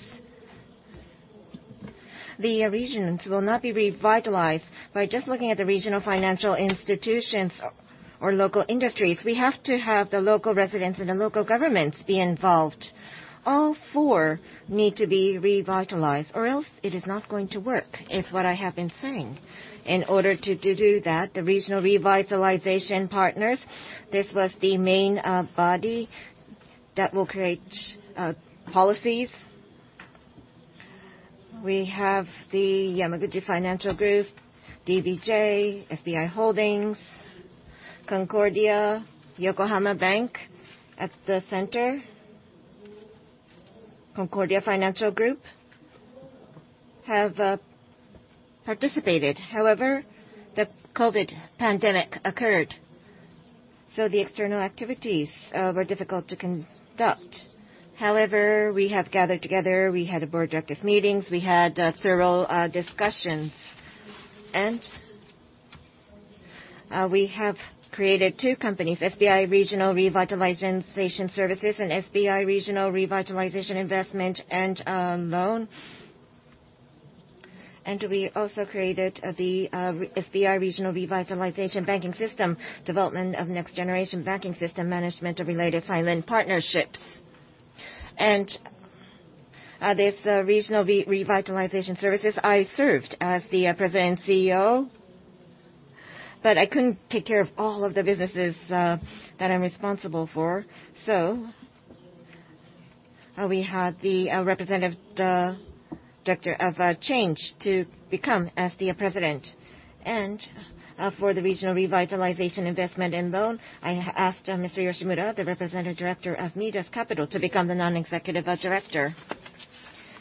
The regions will not be revitalized by just looking at the regional financial institutions or local industries. We have to have the local residents and the local governments be involved. All four need to be revitalized or else it is not going to work, is what I have been saying. In order to do that, the regional revitalization partners, this was the main body that will create policies. We have the Yamaguchi Financial Group, DBJ, SBI Holdings, Concordia Financial Group, Bank of Yokohama at the center. Concordia Financial Group have participated. However, the COVID pandemic occurred, so the external activities were difficult to conduct. However, we have gathered together, we had board directors meetings, we had several discussions. We have created two companies, SBI Regional Revitalization Services and SBI Regional Revitalization Investment and Lending. We also created the SBI Regional Revitalization Banking System, development of next-generation banking system, management of related finance partnerships. This regional revitalization services, I served as the President and CEO, but I couldn't take care of all of the businesses that I'm responsible for. We had the representative, the director of CHANGE, Inc. to become as the president. For the regional revitalization investment and loan, I asked Mr. Yoshimura, the representative director of Midas Capital Co., Ltd., to become the non-executive director.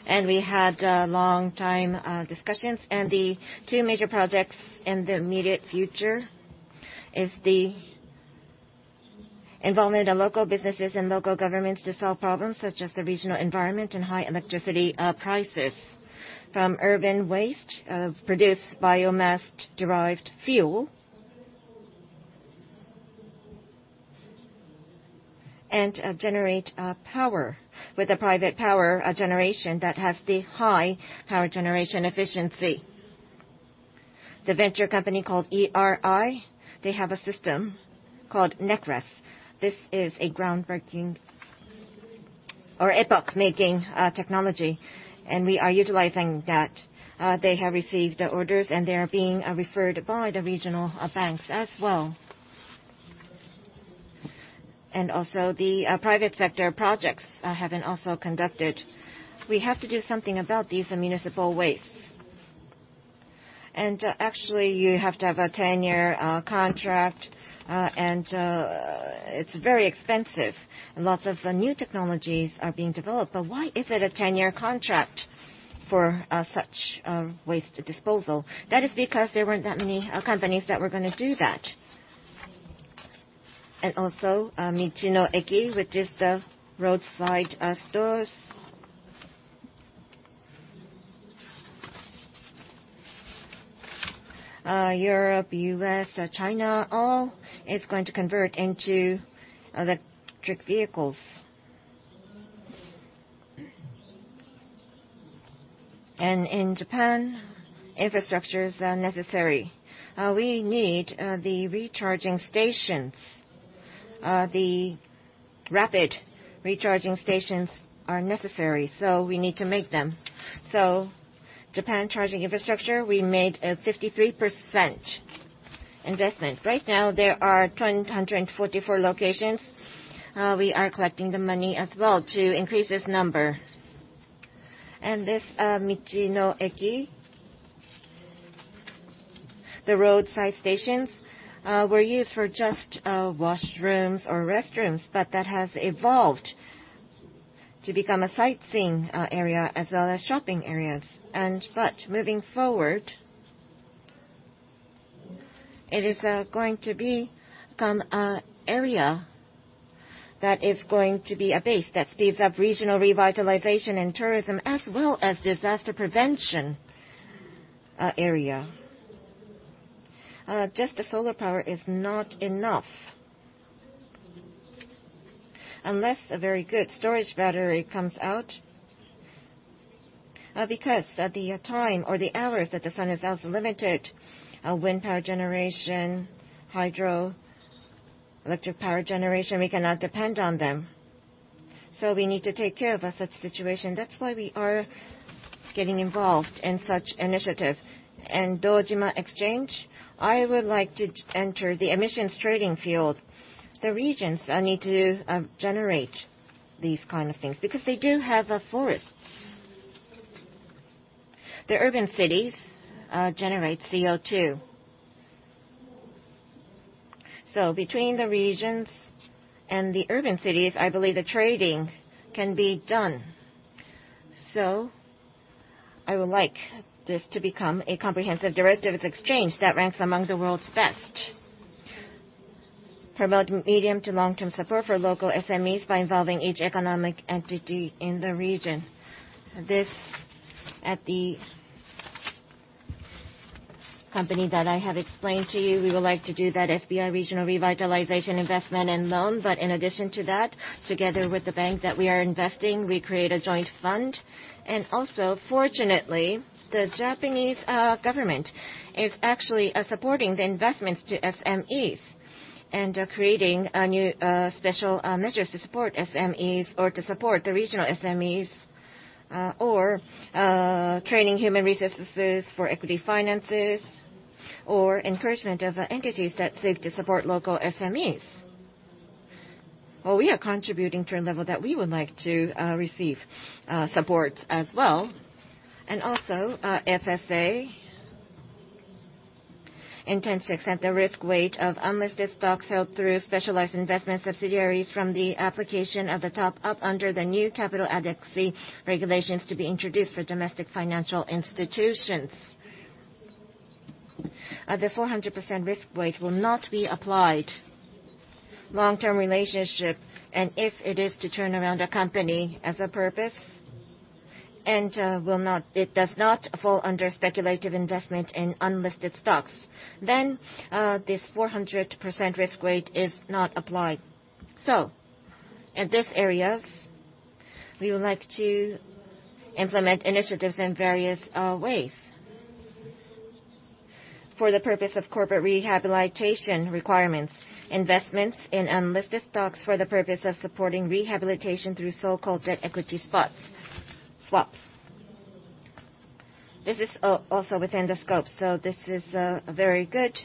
We had long time discussions. The two major projects in the immediate future is the involvement of local businesses and local governments to solve problems such as the regional environment and high electricity prices. From urban waste produce biomass-derived fuel. Generate power with a private power generation that has the high power generation efficiency. The venture company called Japan ERI, they have a system called NEKRES. This is a groundbreaking or epoch-making technology, and we are utilizing that. They have received orders, and they are being referred by the regional banks as well. The private sector projects have been also conducted. We have to do something about these municipal wastes. Actually, you have to have a 10-year contract, and it's very expensive. Lots of new technologies are being developed. Why is it a 10-year contract for such waste disposal? That is because there weren't that many companies that were gonna do that. Michi-no-Eki, which is the roadside stores. Europe, US, China, all is going to convert into electric vehicles. In Japan, infrastructures are necessary. We need the recharging stations. The rapid recharging stations are necessary, so we need to make them. Japan charging infrastructure, we made a 53% investment. Right now, there are 244 locations. We are collecting the money as well to increase this number. This, Michi-no-Eki, the roadside stations, were used for just washrooms or restrooms, but that has evolved to become a sightseeing area as well as shopping areas. But moving forward, it is going to become a area that is going to be a base that speeds up regional revitalization and tourism, as well as disaster prevention area. Just the solar power is not enough unless a very good storage battery comes out. Because at the time or the hours that the sun is out is limited, wind power generation, hydroelectric power generation, we cannot depend on them. We need to take care of such situation. That's why we are getting involved in such initiative. Dojima Exchange, I would like to enter the emissions trading field. The regions need to generate these kind of things because they do have forests. The urban cities generate CO2. Between the regions and the urban cities, I believe the trading can be done. I would like this to become a comprehensive derivatives exchange that ranks among the world's best. Promote medium to long-term support for local SMEs by involving each economic entity in the region. This at the company that I have explained to you, we would like to do that SBI Regional Revitalization Investment and Loan. In addition to that, together with the bank that we are investing, we create a joint fund. Also, fortunately, the Japanese government is actually supporting the investments to SMEs and are creating a new special measures to support SMEs or to support the regional SMEs, or training human resources for equity finances or encouragement of entities that seek to support local SMEs. Well, we are contributing to a level that we would like to receive support as well. Also, FSA intends to accept the risk weight of unlisted stocks held through specialized investment subsidiaries from the application of the top-up under the new capital adequacy regulations to be introduced for domestic financial institutions. The 400% risk weight will not be applied. Long-term relationship, and if it is to turn around a company as a purpose and it does not fall under speculative investment in unlisted stocks, then this 400% risk weight is not applied. In these areas, we would like to implement initiatives in various ways. For the purpose of corporate rehabilitation requirements, investments in unlisted stocks for the purpose of supporting rehabilitation through so-called debt equity swaps. This is also within the scope, so this is a very good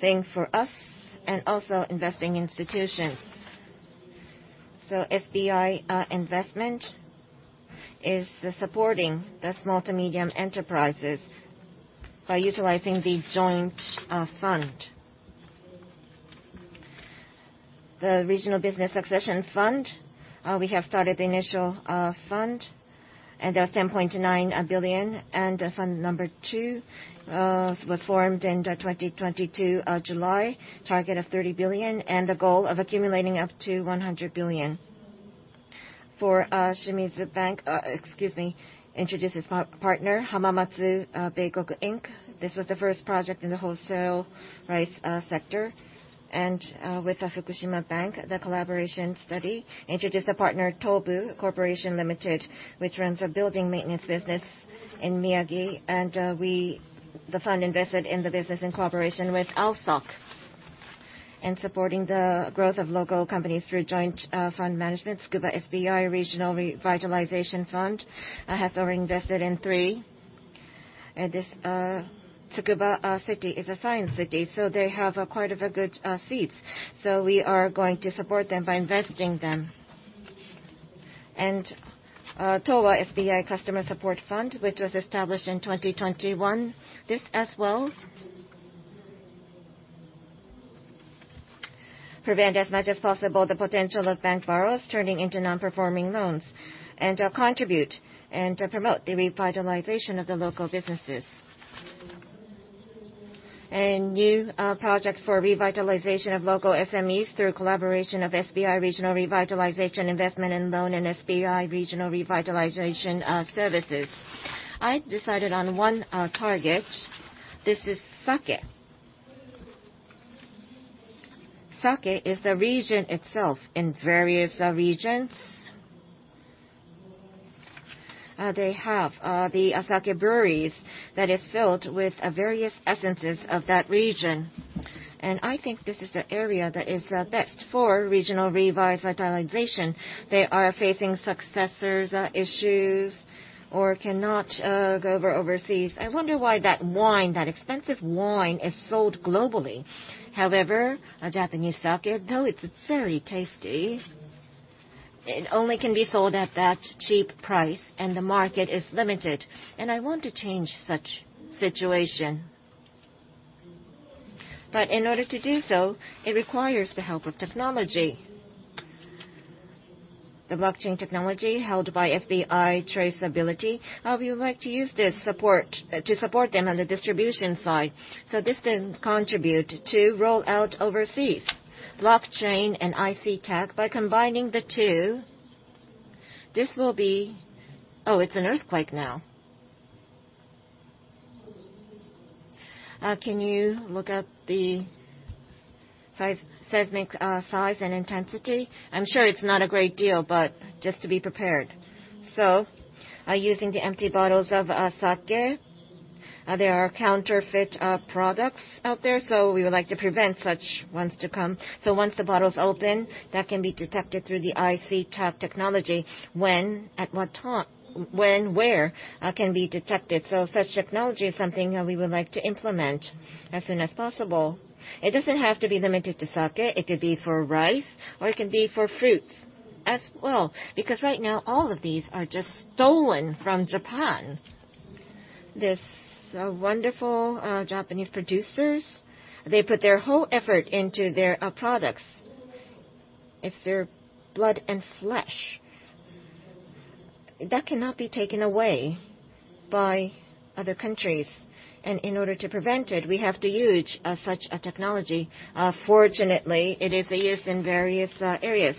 thing for us and also investing institutions. SBI Investment is supporting the small to medium enterprises by utilizing the joint fund. The regional business succession fund, we have started the initial fund and a 10.9 billion, and fund number two was formed in 2022 July, target of 30 billion and a goal of accumulating up to 100 billion. For Shimizu Bank, excuse me, introduced partner Hamamatsu Beikoku Inc. This was the first project in the wholesale rice sector. With the Fukushima Bank, the collaboration study introduced a partner, Tobu Corporation, which runs a building maintenance business in Miyagi. The fund invested in the business in cooperation with ALSOK. In supporting the growth of local companies through joint fund management, Tsukuba SBI Regional Revitalization Fund has already invested in three. This Tsukuba city is a science city, so they have quite a good seats. We are going to support them by investing them. Towa SBI Customer Support Fund, which was established in 2021. This as well. Prevent as much as possible the potential of bank borrowers turning into non-performing loans and contribute and to promote the revitalization of the local businesses. A new project for revitalization of local SMEs through collaboration of SBI Regional Revitalization Investment and Lending and SBI Regional Revitalization Services. I decided on one target. This is sake. Sake is a region itself in various regions. They have the sake breweries that is filled with various essences of that region. I think this is the area that is best for regional revitalization. They are facing successors issues or cannot go over overseas. I wonder why that wine, that expensive wine is sold globally. However, a Japanese sake, though it's very tasty, it only can be sold at that cheap price, and the market is limited. I want to change such situation. In order to do so, it requires the help of technology. The blockchain technology held by SBI Traceability, we would like to use this support to support them on the distribution side, so this can contribute to roll out overseas. Blockchain and IC tag, by combining the two, this will be. Oh, it's an earthquake now. Can you look at the seismic size and intensity? I'm sure it's not a great deal, but just to be prepared. Using the empty bottles of sake, there are counterfeit products out there, so we would like to prevent such ones to come. Once the bottle's open, that can be detected through the IC tag technology, when, at what time, where it can be detected. Such technology is something that we would like to implement as soon as possible. It doesn't have to be limited to sake. It could be for rice, or it can be for fruits as well. Because right now, all of these are just stolen from Japan. These wonderful Japanese producers, they put their whole effort into their products. It's their blood and flesh. That cannot be taken away by other countries. In order to prevent it, we have to use such a technology. Fortunately, it is used in various areas,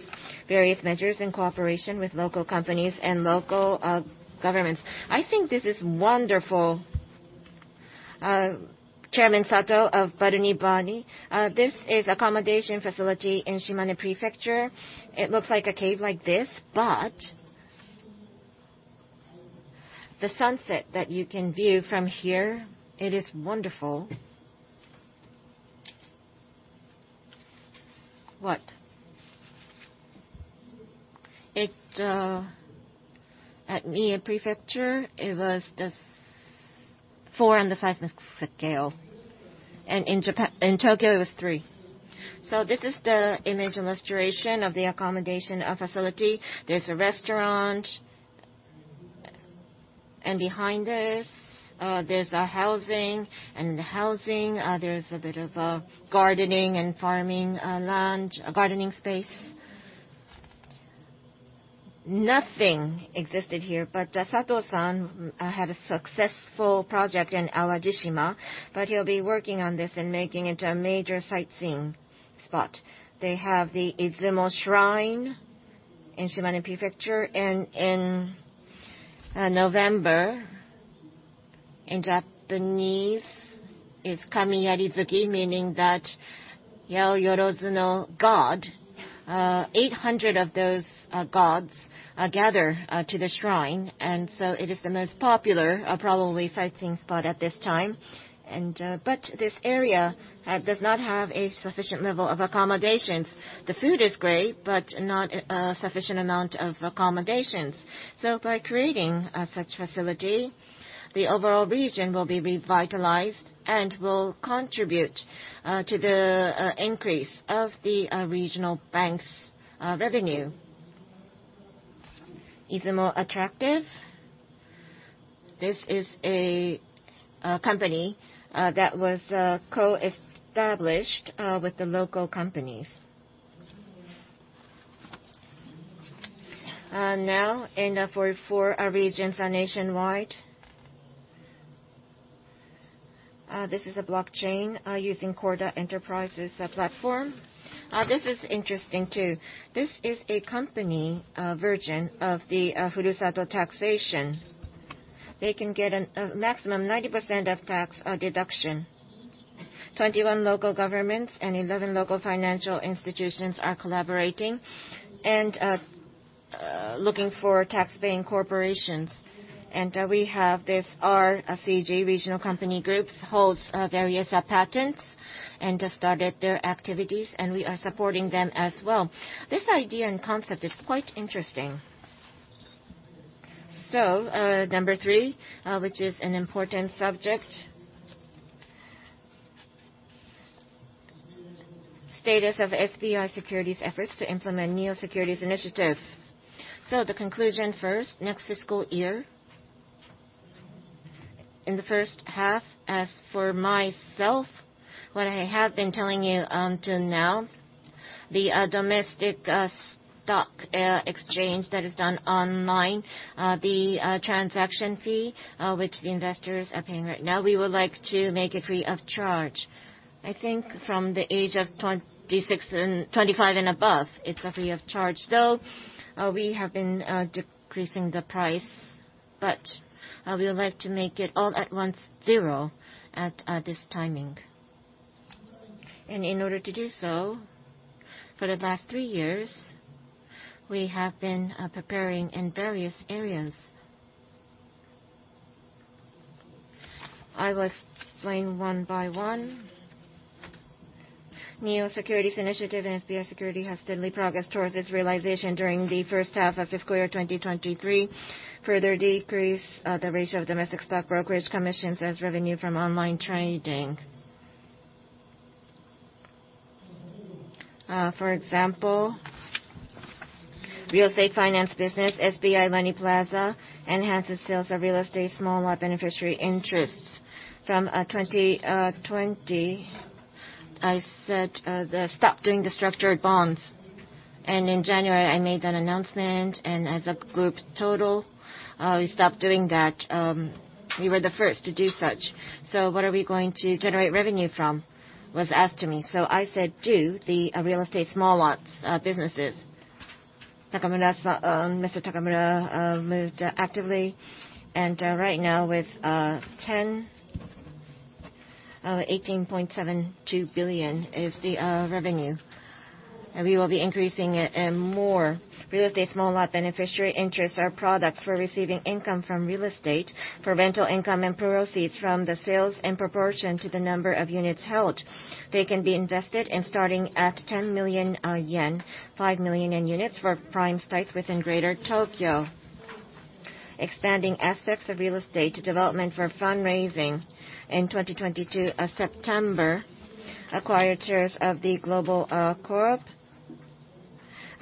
various measures in cooperation with local companies and local governments. I think this is wonderful. Chairman Sato of BALNIBARBI, this is accommodation facility in Shimane Prefecture. It looks like a cave like this, but the sunset that you can view from here, it is wonderful. What? It at Mie Prefecture, it was just 4 on the seismic scale. In Tokyo, it was 3. This is the image and illustration of the accommodation facility. There's a restaurant. Behind this, there's a housing. The housing, there's a bit of gardening and farming land, a gardening space. Nothing existed here, but Sato-san had a successful project in Awajishima, but he'll be working on this and making it into a major sightseeing spot. They have the Izumo Shrine in Shimane Prefecture. In November, in Japanese, it's Kamiarizuki, meaning that Yaoyorozu no Kami, eight million gods gather to the shrine. It is the most popular probably sightseeing spot at this time. But this area does not have a sufficient level of accommodations. The food is great, but not a sufficient amount of accommodations. By creating such facility, the overall region will be revitalized and will contribute to the increase of the regional bank's revenue. Izumo Attractive, this is a company that was co-established with the local companies. Now in the 44 regions nationwide. This is a blockchain using Corda Enterprise platform. This is interesting too. This is a company version of the Furusato Nozei. They can get a maximum 90% of tax deduction. 21 local governments and 11 local financial institutions are collaborating and looking for tax-paying corporations. We have this RCG Corporation regional company group holds various patents and has started their activities, and we are supporting them as well. This idea and concept is quite interesting. Number three, which is an important subject. Status of SBI Securities' efforts to implement new securities initiatives. The conclusion first, next fiscal year. In the first half, as for myself, what I have been telling you till now, the domestic stock exchange that is done online, the transaction fee which the investors are paying right now, we would like to make it free of charge. I think from the age of 25 and above, it's free of charge, though we have been decreasing the price, but we would like to make it all at once zero at this timing. In order to do so, for the last three years, we have been preparing in various areas. I will explain one by one. Neo Securities initiative in SBI SECURITIES has steadily progressed towards its realization during the first half of fiscal year 2023. Further decrease the ratio of domestic stock brokerage commissions as revenue from online trading. For example, real estate finance business, SBI MONEY PLAZA enhances sales of real estate small lot beneficiary interests. From 2020, I said the stop doing the structured bonds. In January, I made an announcement, and as a group total, we stopped doing that. We were the first to do such. "So what are we going to generate revenue from?" was asked to me. I said, "Do the real estate small lots businesses." Takamura, Mr. Takamura moved actively. Right now, 101.72 billion is the revenue. We will be increasing it and more. Real estate small lot beneficiary interests are products for receiving income from real estate for rental income and proceeds from the sales in proportion to the number of units held. They can be invested in starting at 10 million yen, 5 million in units for prime sites within Greater Tokyo. Expanding assets of real estate development for fundraising. In September 2022, acquired shares of The Global Ltd.,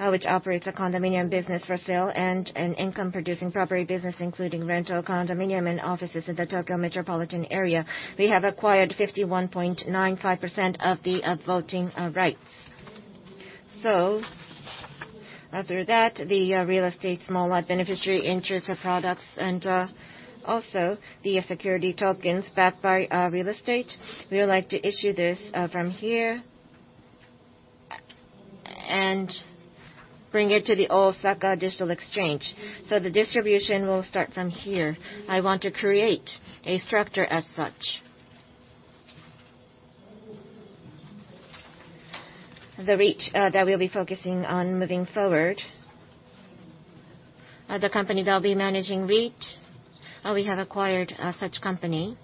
which operates a condominium business for sale and an income-producing property business, including rental condominium and offices in the Tokyo Metropolitan area. We have acquired 51.95% of the voting rights. Through that, the real estate small lot beneficiary insurance products and also the security tokens backed by real estate, we would like to issue this from here and bring it to the Osaka Digital Exchange. The distribution will start from here. I want to create a structure as such. The REIT that we'll be focusing on moving forward. The company that will be managing REIT, we have acquired such company.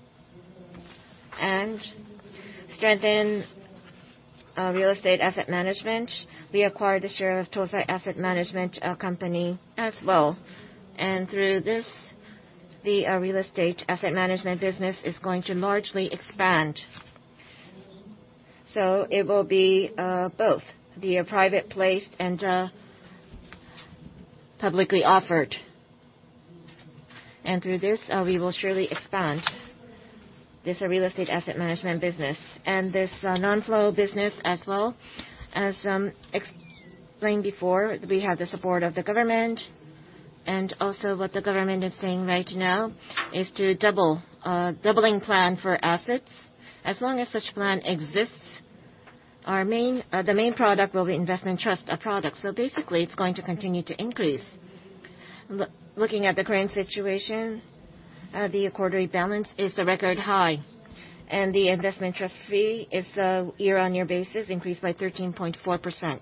Strengthen real estate asset management, we acquired a share of Tosa Asset Management Company as well. Through this, the real estate asset management business is going to largely expand. It will be both the privately placed and publicly offered. Through this, we will surely expand this real estate asset management business. This non-flow business as well, as explained before, we have the support of the government, and also what the government is saying right now is to doubling plan for assets. As long as such plan exists, our main product will be investment trust products. Basically, it's going to continue to increase. Looking at the current situation, the quarterly balance is a record high, and the investment trust fee is year-on-year basis increased by 13.4%.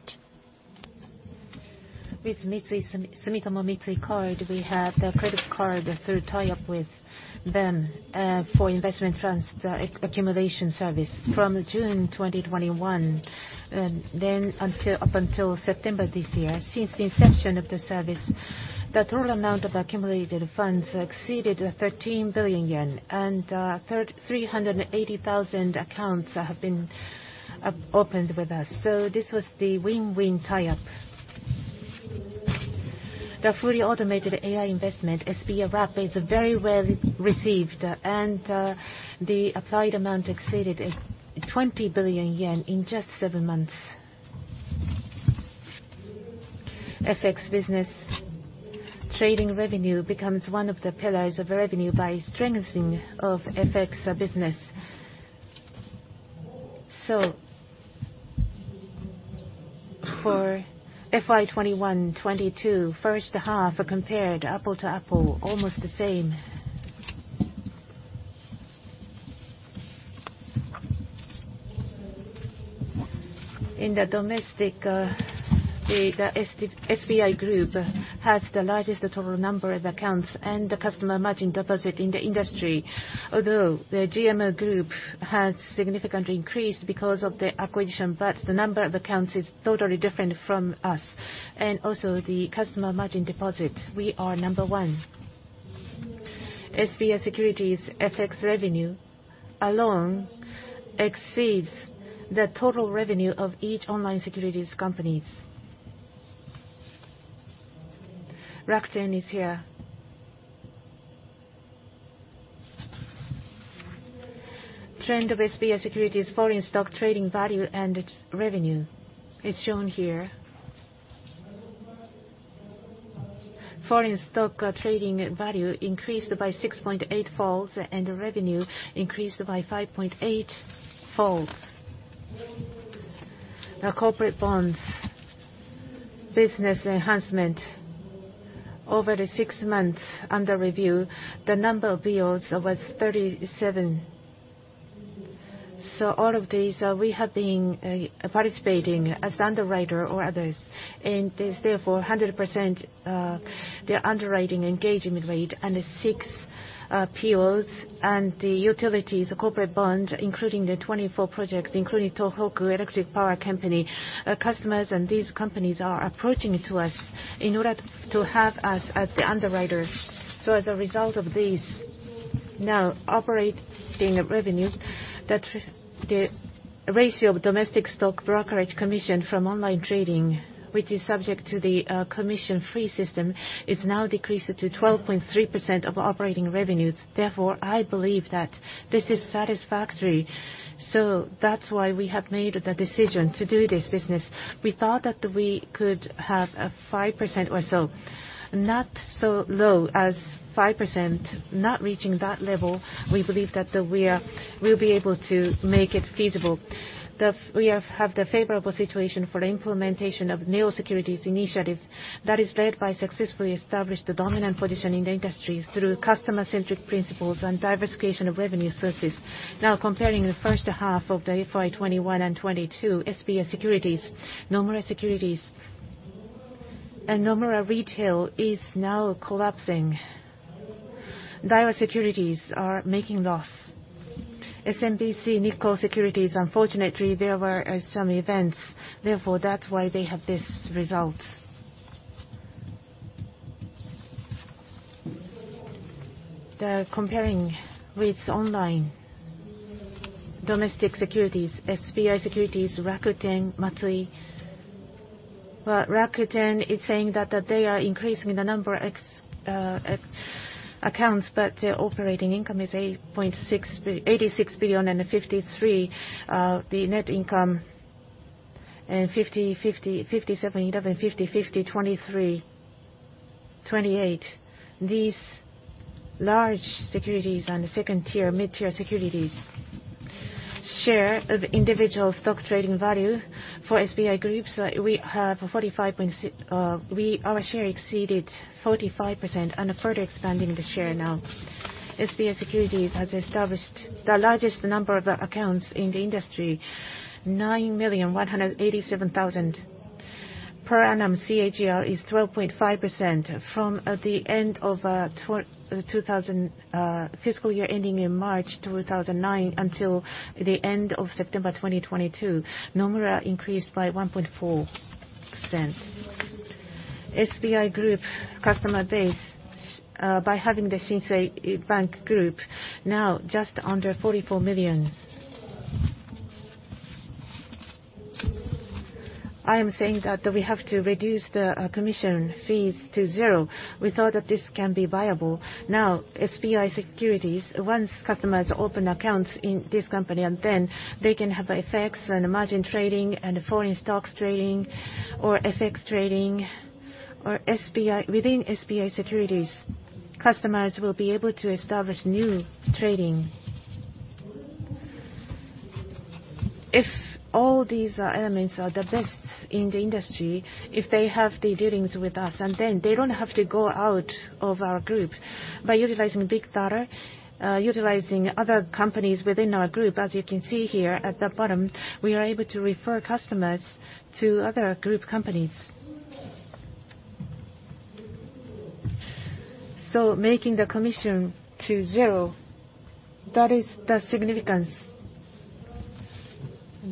With Sumitomo Mitsui Card, we have the credit card through tie-up with them for investment funds, the accumulation service. From June 2021 up until September this year, since the inception of the service, the total amount of accumulated funds exceeded 13 billion yen, and 380,000 accounts have been opened with us. This was the win-win tie-up. The fully automated AI investment, SBI Rapid, is very well received, and the applied amount exceeded 20 billion yen in just seven months. FX business. Trading revenue becomes one of the pillars of revenue by strengthening of FX business. For FY21-22 first half compared apples to apples, almost the same. In the domestic, SBI Group has the largest total number of accounts and the customer margin deposit in the industry. Although the GMO Group has significantly increased because of the acquisition, but the number of accounts is totally different from us. Also the customer margin deposit, we are number one. SBI Securities FX revenue alone exceeds the total revenue of each online securities companies. Rakuten is here. Trend of SBI Securities foreign stock trading value and its revenue is shown here. Foreign stock trading value increased by 6.8-fold, and the revenue increased by 5.8-fold. Now, corporate bonds business enhancement. Over the six months under review, the number of deals was 37. All of these, we have been participating as underwriter or others, and is therefore 100% the underwriting engagement rate and the six IPOs and the utilities corporate bond, including the 24 projects, including Tohoku Electric Power Co., Inc., customers and these companies are approaching to us in order to have us as the underwriters. As a result of this, now operating revenue, the ratio of domestic stock brokerage commission from online trading, which is subject to the commission-free system, is now decreased to 12.3% of operating revenues. Therefore, I believe that this is satisfactory. That's why we have made the decision to do this business. We thought that we could have five percent or so, not so low as five percent, not reaching that level, we believe that we will be able to make it feasible. We have the favorable situation for the implementation of neo securities initiative that is led by successfully established the dominant position in the industries through customer-centric principles and diversification of revenue sources. Now comparing the first half of FY 2021 and 2022, SBI SECURITIES, Nomura Securities and Nomura Retail is now collapsing. Daiwa Securities are making loss. SMBC Nikko Securities, unfortunately, there were some events, therefore, that's why they have this result. Comparing with online domestic securities, SBI Securities, Rakuten, Matsui. Well, Rakuten is saying that they are increasing the number of existing accounts, but their operating income is 86.53 billion, the net income and 50 billion, 57 billion, 11 billion, 50 billion, 23 billion, 28 billion. These large securities and second tier, mid-tier securities share of individual stock trading value for SBI Group, our share exceeded 45% and further expanding the share now. SBI Securities has established the largest number of accounts in the industry, 9,187,000. Per annum CAGR is 12.5%. From the end of the 2000 fiscal year ending in March 2009 until the end of September 2022, Nomura increased by 1.4%. SBI Group customer base by having the Shinsei Bank Group now just under 44 million. I am saying that we have to reduce the commission fees to zero. We thought that this can be viable. Now, SBI Securities, once customers open accounts in this company, and then they can have FX and margin trading and foreign stocks trading, or FX trading within SBI Securities, customers will be able to establish new trading. If all these elements are the best in the industry, if they have the dealings with us, and then they don't have to go out of our group. By utilizing big data, utilizing other companies within our group, as you can see here at the bottom, we are able to refer customers to other group companies. Making the commission to zero, that is the significance.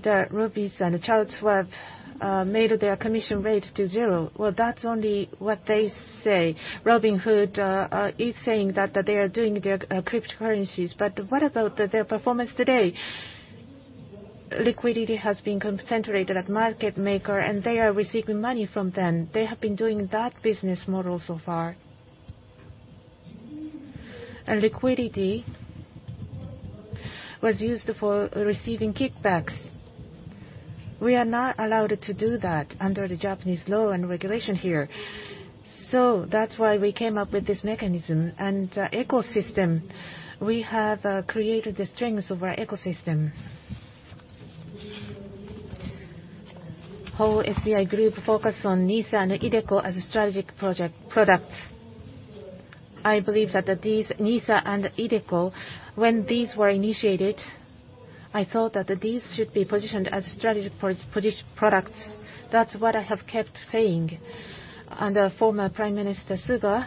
Robinhood and the Charles Schwab made their commission rate to zero. Well, that's only what they say. Robinhood is saying that they are doing their cryptocurrencies. What about their performance today? Liquidity has been concentrated at market maker, and they are receiving money from them. They have been doing that business model so far. Liquidity was used for receiving kickbacks. We are not allowed to do that under the Japanese law and regulation here. That's why we came up with this mechanism. Ecosystem we have created the strengths of our ecosystem. whole SBI Group focuses on NISA and iDeCo as strategic products. I believe that these NISA and iDeCo, when these were initiated, I thought that these should be positioned as strategic products. That's what I have kept saying. Under former Prime Minister Suga,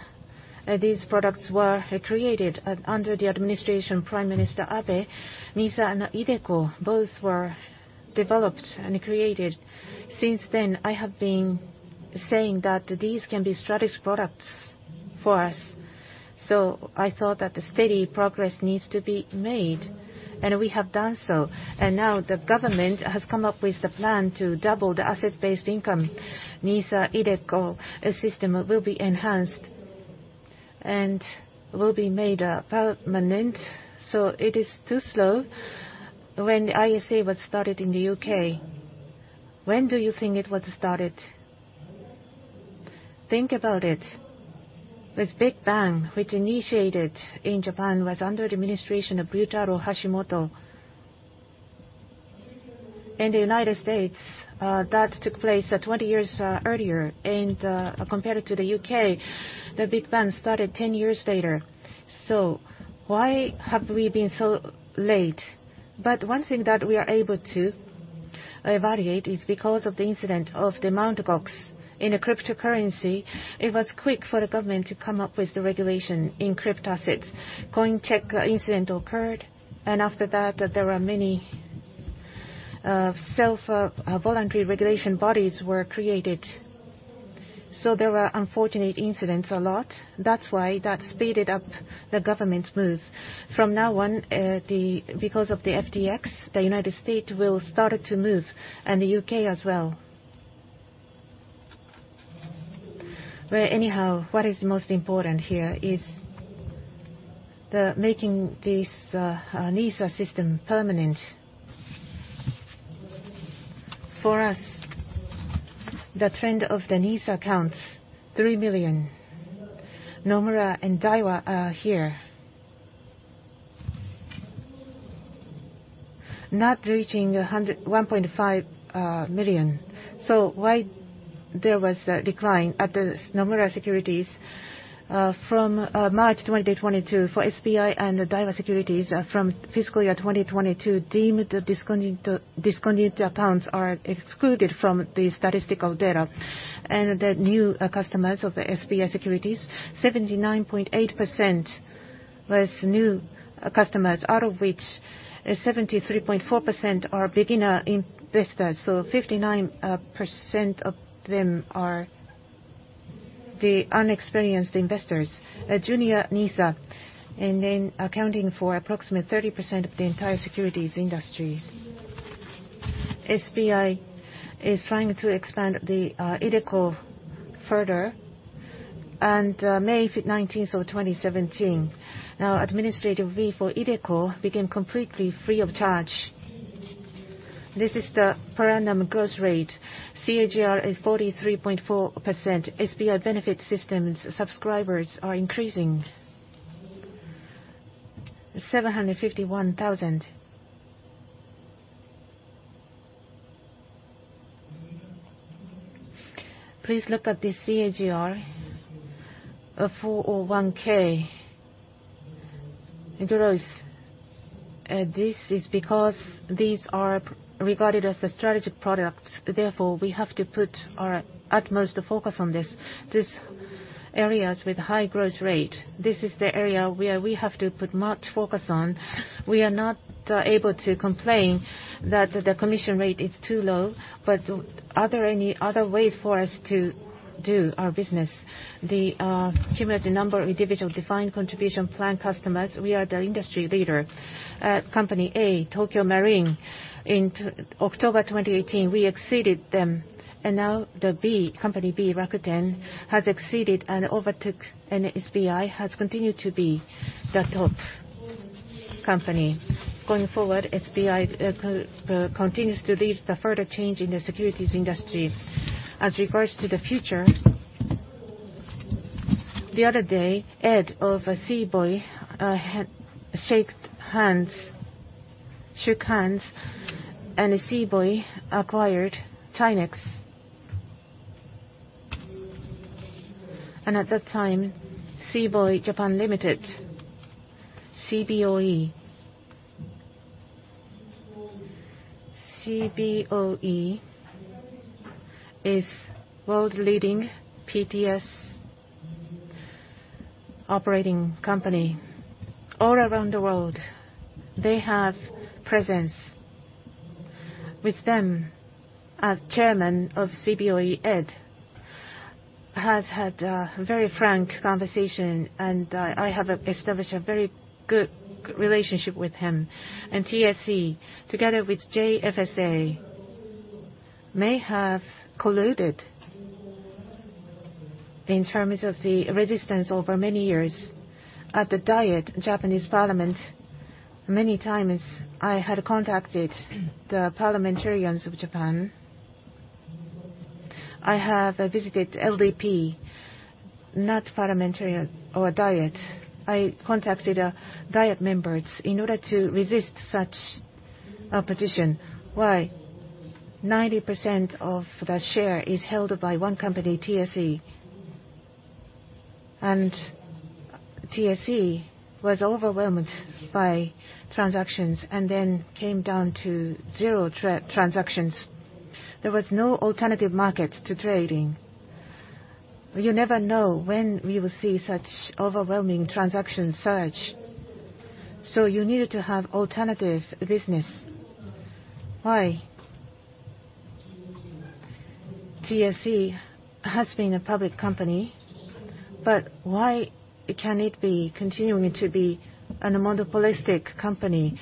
these products were created. Under the administration of Prime Minister Abe, NISA and iDeCo both were developed and created. Since then, I have been saying that these can be strategic products for us. I thought that the steady progress needs to be made, and we have done so. Now the government has come up with the plan to double the asset-based income. NISA, iDeCo system will be enhanced and will be made permanent, so it is too slow. When the ISA was started in the UK, when do you think it was started? Think about it. The Big Bang, which initiated in Japan, was under the administration of Ryutaro Hashimoto. In the United States, that took place 20 years earlier, and compared to the UK, the Big Bang started 10 years later. Why have we been so late? One thing that we are able to evaluate is because of the incident of the Mt. Gox in a cryptocurrency, it was quick for the government to come up with the regulation in crypto assets. Coincheck incident occurred, and after that, there were many self voluntary regulation bodies created. There were unfortunate incidents a lot. That's why that speeded up the government's move. From now on, because of the FTX, the United States will start to move, and the UK as well. Well, anyhow, what is most important here is making this NISA system permanent. For us, the trend of the NISA accounts, 3 million. Nomura and Daiwa are here. Not reaching 100 – 1.5 million. Why there was a decline at the Nomura Securities from March 2022 for SBI and Daiwa Securities from fiscal year 2022, deemed disconnected accounts are excluded from the statistical data. The new customers of the SBI Securities, 79.8% was new customers, out of which 73.4% are beginner investors. Fifty-nine percent of them are the inexperienced investors. Junior NISA, and then accounting for approximately 30% of the entire securities industries. SBI is trying to expand the iDeCo further. May 19, 2017, now administrative fee for iDeCo became completely free of charge. This is the per annum growth rate. CAGR is 43.4%. SBI benefit systems subscribers are increasing. 751,000. Please look at the CAGR of 401 growth. This is because these are regarded as the strategic products, therefore we have to put our utmost focus on this. These areas with high growth rate, this is the area where we have to put much focus on. We are not able to complain that the commission rate is too low, but are there any other ways for us to do our business? The cumulative number of individual defined contribution plan customers, we are the industry leader. Company A, Tokio Marine, in October 2018, we exceeded them. Now company B, Rakuten, has exceeded and overtook, and SBI has continued to be the top company. Going forward, SBI continues to lead the further change in the securities industry. As regards to the future, the other day, Ed of Cboe shook hands, and Cboe acquired Chi-X. At that time, Cboe Japan Limited. Cboe is world-leading PTS operating company. All around the world, they have presence. With them, as chairman of Cboe, Ed has had a very frank conversation, and I have established a very good relationship with him. TSE, together with JFSA, may have colluded in terms of the resistance over many years. At the Diet, Japanese parliament, many times I had contacted the parliamentarians of Japan. I have visited LDP, not parliamentarian or Diet. I contacted Diet members in order to resist such opposition. Why? 90% of the share is held by one company, TSE. TSE was overwhelmed by transactions and then came down to zero transactions. There was no alternative market to trading. You never know when we will see such overwhelming transaction surge. You needed to have alternative business. Why? TSE has been a public company, but why can it be continuing to be a monopolistic company,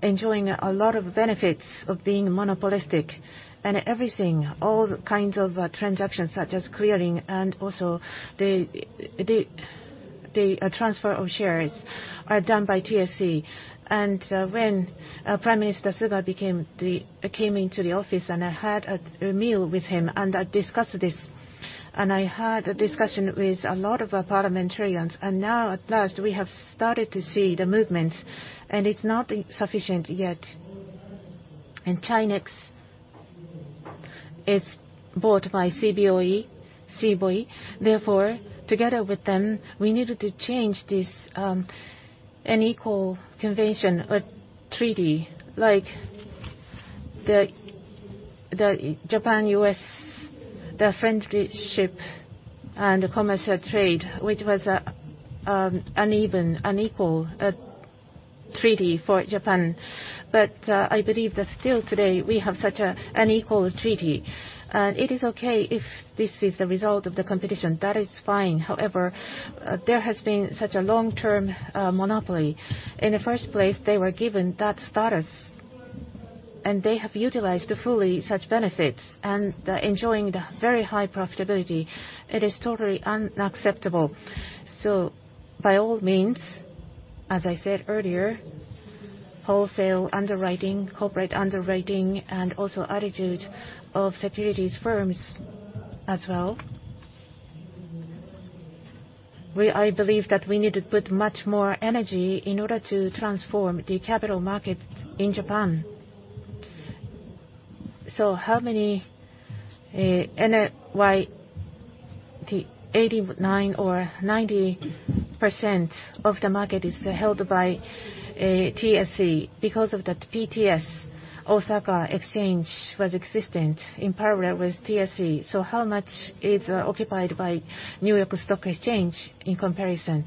enjoying a lot of benefits of being monopolistic? Everything, all kinds of transactions such as clearing and also the transfer of shares are done by TSE. When Prime Minister Suga came into the office, and I had a meal with him, and I discussed this. I had a discussion with a lot of parliamentarians. Now, at last, we have started to see the movements, and it's not sufficient yet. Chi-X is bought by Cboe. Therefore, together with them, we needed to change this unequal convention or treaty like the Japan-US friendship and commercial trade, which was uneven, unequal treaty for Japan. I believe that still today we have such a unequal treaty. It is okay if this is the result of the competition. That is fine. However, there has been such a long-term monopoly. In the first place, they were given that status, and they have utilized fully such benefits, and they're enjoying the very high profitability. It is totally unacceptable. By all means, as I said earlier, wholesale underwriting, corporate underwriting, and also attitude of securities firms as well. I believe that we need to put much more energy in order to transform the capital market in Japan. How many, and why the 89% or 90% of the market is held by Tokyo Stock Exchange? Because of that PTS, Osaka Exchange was existent in parallel with Tokyo Stock Exchange. How much is occupied by New York Stock Exchange in comparison?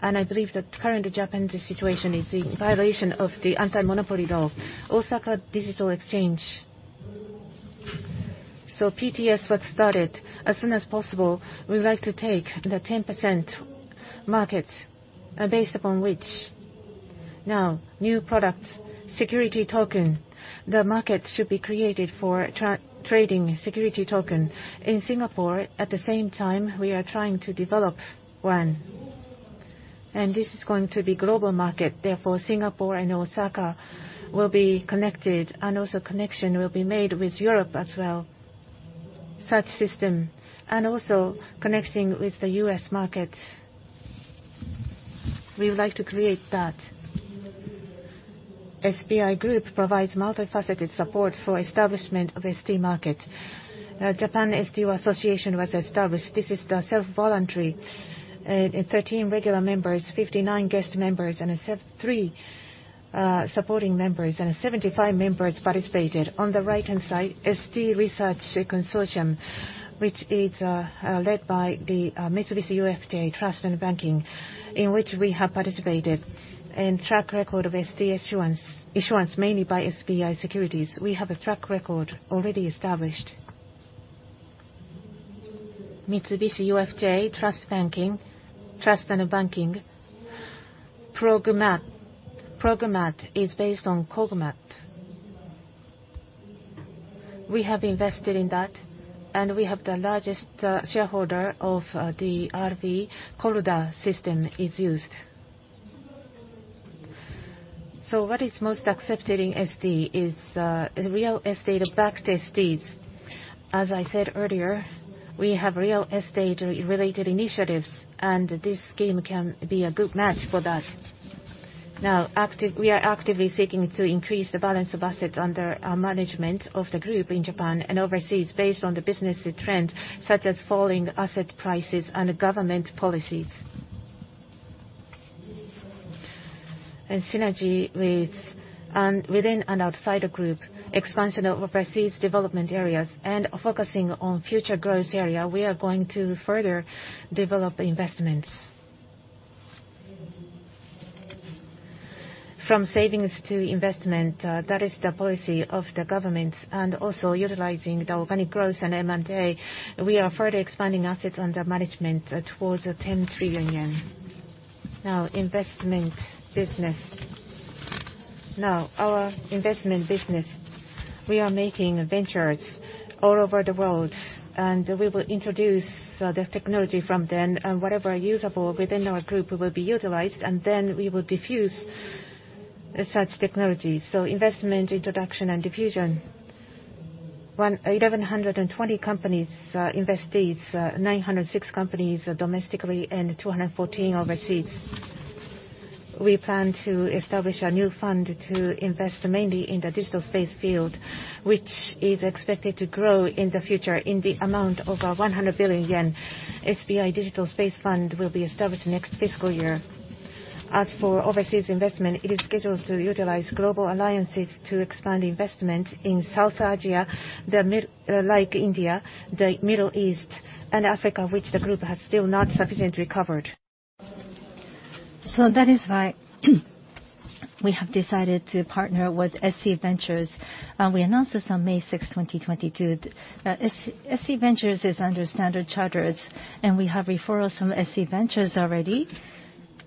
I believe that currently Japanese situation is in violation of the anti-monopoly law. Osaka Digital Exchange PTS was started as soon as possible. We like to take the 10% markets, based upon which. Now, new products, security token. The market should be created for trading security token. In Singapore, at the same time, we are trying to develop one, and this is going to be global market. Therefore, Singapore and Osaka will be connected, and also connection will be made with Europe as well, such system. Also connecting with the U.S. market. We would like to create that. SBI Group provides multifaceted support for establishment of ST market. Japan ST Association was established. This is the self-regulatory with 13 regular members, 59 guest members, and 73 supporting members, and 75 members participated. On the right-hand side, ST Research Consortium, which is led by the Mitsubishi UFJ Trust and Banking, in which we have participated. Track record of ST issuance mainly by SBI Securities. We have a track record already established. Mitsubishi UFJ Trust and Banking. Progmat is based on Corda. We have invested in that, and we have the largest shareholder of the JV. Corda system is used. What is most accepted in ST is real estate-backed STs. As I said earlier, we have real estate-related initiatives, and this scheme can be a good match for that. Now, we are actively seeking to increase the balance of assets under management of the group in Japan and overseas based on the business trend, such as falling asset prices and government policies. Synergy with, and within and outside the group, expansion of overseas development areas and focusing on future growth area, we are going to further develop investments. From savings to investment, that is the policy of the government. Utilizing the organic growth and M&A, we are further expanding assets under management towards 10 trillion yen. Now, investment business. Our investment business. We are making ventures all over the world, and we will introduce the technology from them. Whatever usable within our group will be utilized, and then we will diffuse such technologies. Investment, introduction, and diffusion. 1,120 investees, 906 companies domestically and 214 overseas. We plan to establish a new fund to invest mainly in the digital space field, which is expected to grow in the future in the amount of 100 billion yen. SBI Digital Space Fund will be established next fiscal year. As for overseas investment, it is scheduled to utilize global alliances to expand investment in South Asia, like India, the Middle East, and Africa, which the group has still not sufficiently covered. That is why we have decided to partner with SC Ventures, and we announced this on May 6, 2022. SC Ventures is under Standard Chartered, and we have referrals from SC Ventures already.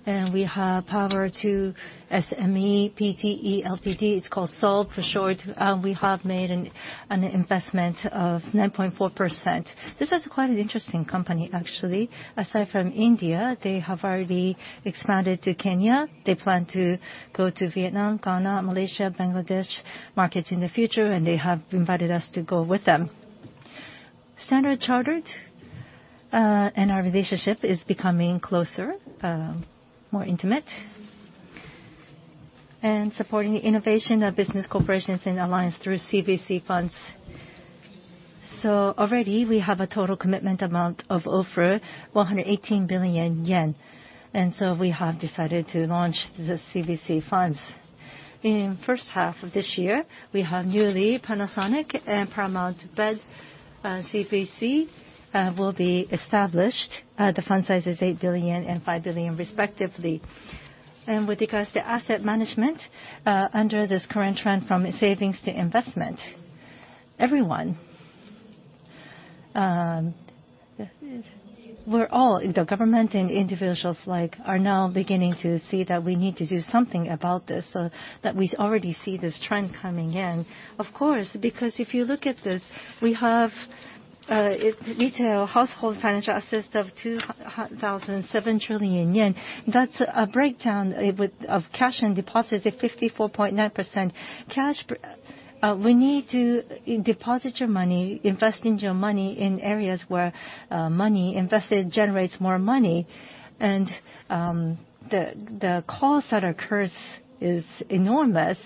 We have Power to SME Pte Ltd, it's called SOL for short. We have made an investment of 9.4%. This is quite an interesting company, actually. Aside from India, they have already expanded to Kenya. They plan to go to Vietnam, Ghana, Malaysia, Bangladesh markets in the future, and they have invited us to go with them. Standard Chartered and our relationship is becoming closer, more intimate. Supporting the innovation of business corporations and alliance through CVC funds. Already we have a total commitment amount of over 118 billion yen, and we have decided to launch the CVC funds. In first half of this year, we have newly Panasonic and Paramount Bed CVC will be established. The fund size is 8 billion and 5 billion respectively. With regards to asset management, under this current trend from savings to investment, everyone, we're all, the government and individuals like, are now beginning to see that we need to do something about this, so that we already see this trend coming in. Of course, because if you look at this, we have retail household financial assets of 2,007 trillion yen. That's a breakdown of cash and deposits at 54.9%. We need to deposit your money, invest your money in areas where money invested generates more money. The cost that occurs is enormous.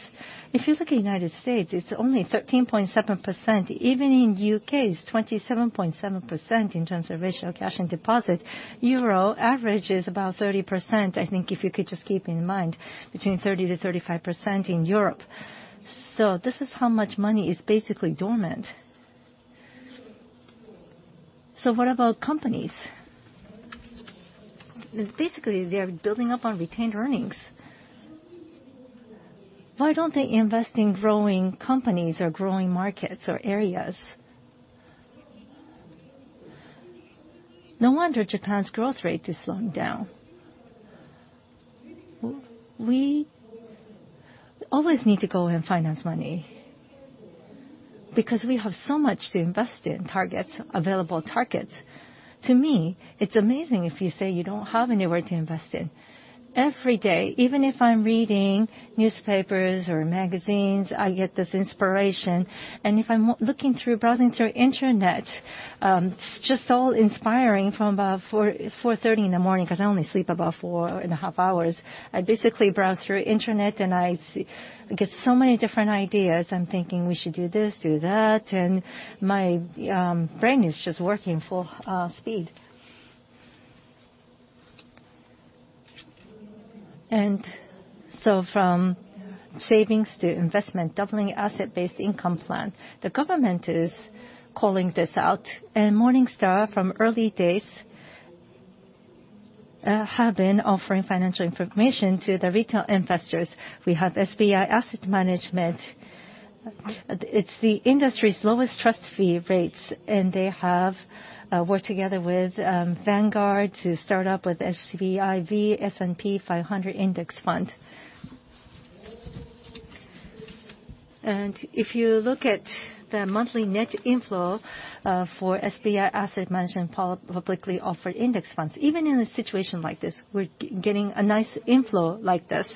If you look at United States, it's only 13.7%. Even in UK, it's 27.7% in terms of ratio of cash and deposit. Euro average is about 30%, I think if you could just keep in mind, between 30%-35% in Europe. This is how much money is basically dormant. What about companies? Basically, they are building up on retained earnings. Why don't they invest in growing companies or growing markets or areas? No wonder Japan's growth rate is slowing down. We always need to go and finance money because we have so much to invest in targets, available targets. To me, it's amazing if you say you don't have anywhere to invest in. Every day, even if I'm reading newspapers or magazines, I get this inspiration, and if I'm browsing through internet, it's just all inspiring from about 4:30 in the morning 'cause I only sleep about 4.5 hours. I basically browse through internet and I see get so many different ideas. I'm thinking we should do this, do that, and my brain is just working full speed. From savings to investment, doubling asset-based income plan. The government is calling this out, and Morningstar from early days have been offering financial information to the retail investors. We have SBI Asset Management. It's the industry's lowest trust fee rates, and they have worked together with Vanguard to start up with SBI・V・S&P500 Index Fund. If you look at the monthly net inflow for SBI Asset Management publicly offered index funds, even in a situation like this, we're getting a nice inflow like this.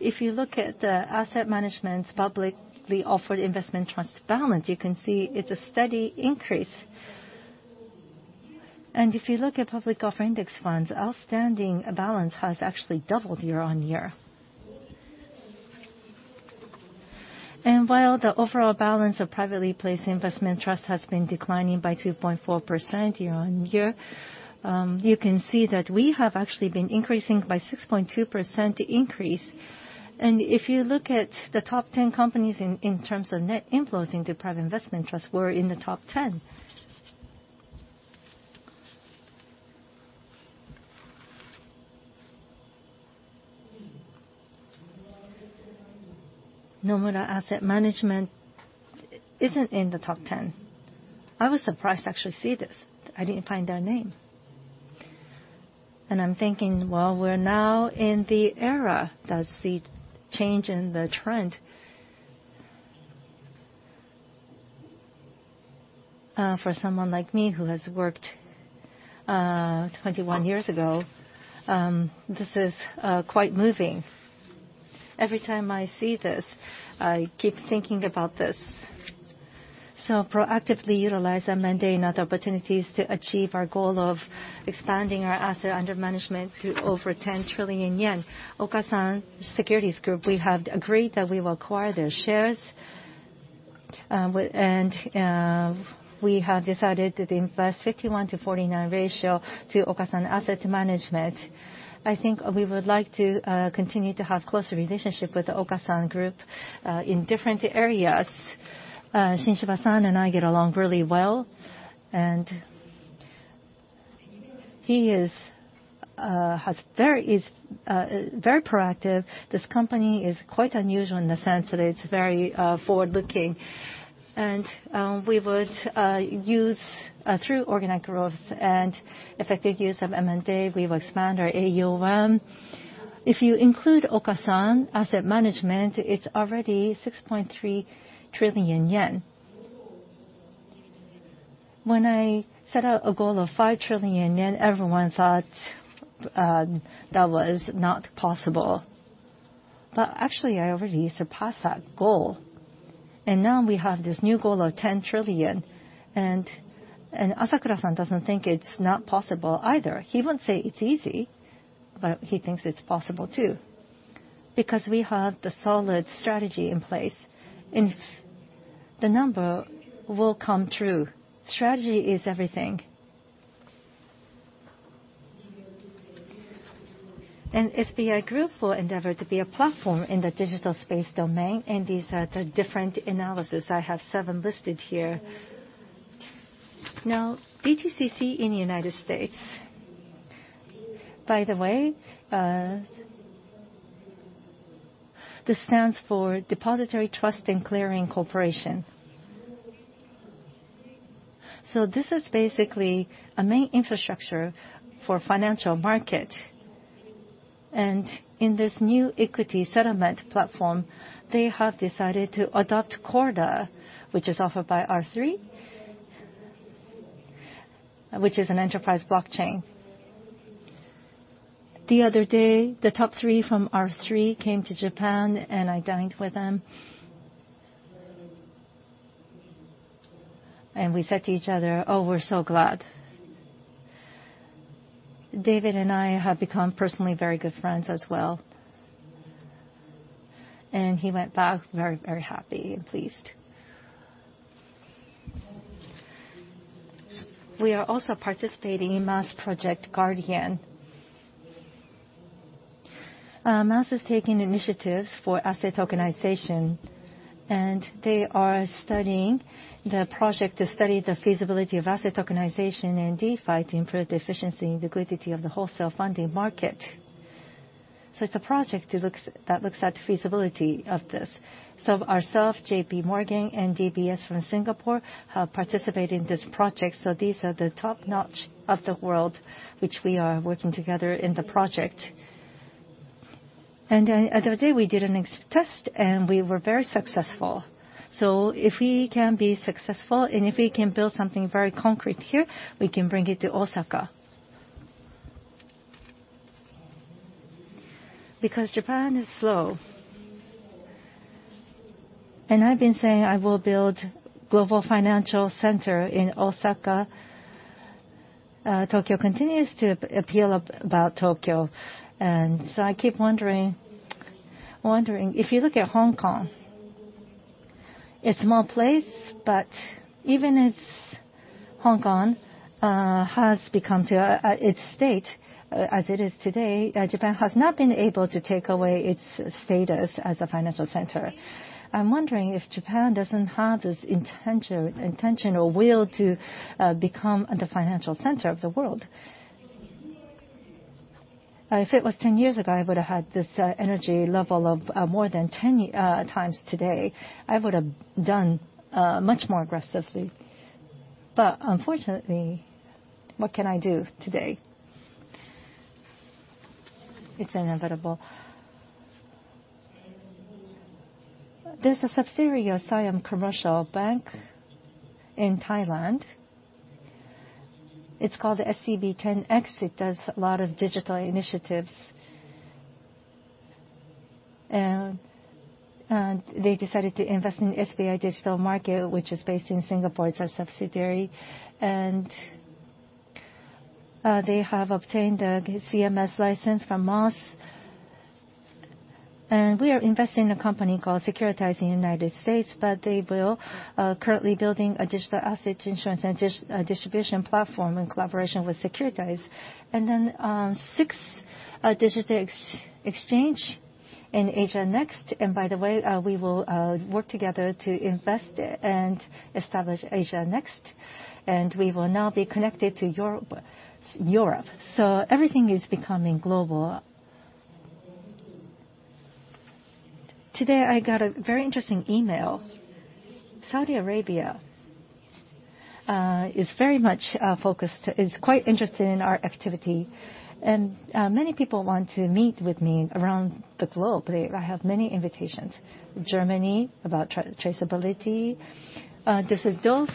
If you look at the asset management's publicly offered investment trust balance, you can see it's a steady increase. If you look at public offer index funds, outstanding balance has actually doubled year-over-year. While the overall balance of privately placed investment trust has been declining by 2.4% year-on-year, you can see that we have actually been increasing by 6.2% increase. If you look at the top 10 companies in terms of net inflows into private investment trusts, we're in the top 10. Nomura Asset Management isn't in the top 10. I was surprised to actually see this. I didn't find their name. I'm thinking, "Well, we're now in the era that sees change in the trend." For someone like me who has worked 21 years ago, this is quite moving. Every time I see this, I keep thinking about this. So proactively utilize the M&A opportunities to achieve our goal of expanding our asset under management to over 10 trillion yen. Okasan Securities Group, we have agreed that we will acquire their shares, and we have decided to invest 51-49 ratio to Okasan Asset Management. I think we would like to continue to have close relationship with the Okasan Group, in different areas. Shin Shiba-san and I get along really well, and he is very proactive. This company is quite unusual in the sense that it's very forward-looking. We would use through organic growth and effective use of M&A, we will expand our AUM. If you include Okasan Asset Management, it's already 6.3 trillion yen. When I set out a goal of 5 trillion yen, everyone thought that was not possible. Actually, I already surpassed that goal. We have this new goal of 10 trillion, and Asakura-san doesn't think it's not possible either. He won't say it's easy, but he thinks it's possible too. Because we have the solid strategy in place, and the number will come true. Strategy is everything. SBI Group will endeavor to be a platform in the digital space domain, and these are the different analysis. I have 7 listed here. Now, DTCC in United States, by the way, this stands for Depository Trust & Clearing Corporation. So this is basically a main infrastructure for financial market. In this new equity settlement platform, they have decided to adopt Corda, which is offered by R3, which is an enterprise blockchain. The other day, the top 3 from R3 came to Japan, and I dined with them. We said to each other, "Oh, we're so glad." David and I have become personally very good friends as well. He went back very, very happy and pleased. We are also participating in MAS Project Guardian. MAS is taking initiatives for asset tokenization. They are studying the project to study the feasibility of asset tokenization and DeFi to improve the efficiency and liquidity of the wholesale funding market. It's a project that looks at the feasibility of this. Ourselves, J.P. Morgan, and DBS from Singapore have participated in this project. These are the top notch of the world which we are working together in the project. The other day, we did a test, and we were very successful. If we can be successful, and if we can build something very concrete here, we can bring it to Osaka. Because Japan is slow. I've been saying I will build global financial center in Osaka. Tokyo continues to appeal about Tokyo, so I keep wondering. If you look at Hong Kong, it's a small place, but even as Hong Kong has come to its state as it is today, Japan has not been able to take away its status as a financial center. I'm wondering if Japan doesn't have this intention or will to become the financial center of the world. If it was 10 years ago, I would've had this energy level of more than 10 times today. I would have done much more aggressively. But unfortunately, what can I do today? It's inevitable. There's a subsidiary of Siam Commercial Bank in Thailand. It's called SCB 10X. It does a lot of digital initiatives. They decided to invest in SBI Digital Markets, which is based in Singapore. It's a subsidiary. They have obtained a CMS license from MAS. We are investing in a company called Securitize in the United States, but we are currently building a digital asset issuance and distribution platform in collaboration with Securitize. SIX digital exchange in AsiaNext. We will work together to invest and establish AsiaNext. We will now be connected to Europe. Everything is becoming global. Today, I got a very interesting email. Saudi Arabia is quite interested in our activity. Many people want to meet with me around the globe. I have many invitations. Germany about traceability. Düsseldorf,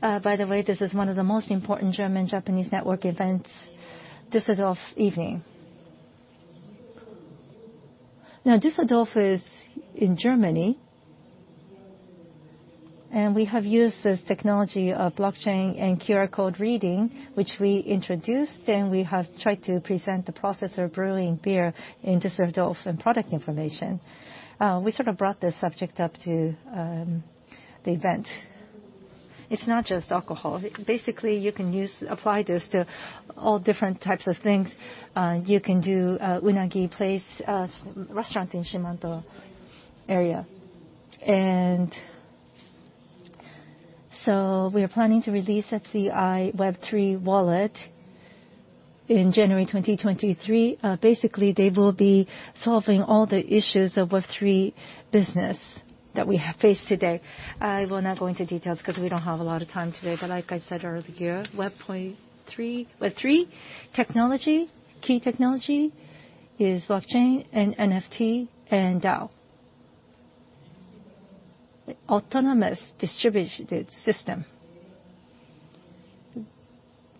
by the way, this is one of the most important German-Japanese network events, Düsseldorf's evening. Now Düsseldorf is in Germany, and we have used this technology of blockchain and QR code reading, which we introduced, and we have tried to present the process of brewing beer in Düsseldorf and product information. We sort of brought this subject up to the event. It's not just alcohol. Basically, you can apply this to all different types of things. You can do unagi place, restaurant in Shimanto area. We are planning to release FCI Web3 wallet in January 2023. Basically, they will be solving all the issues of Web3 business that we have faced today. I will not go into details because we don't have a lot of time today. Like I said earlier, Web3 technology, key technology is blockchain and NFT and DAO. Autonomous distributed system.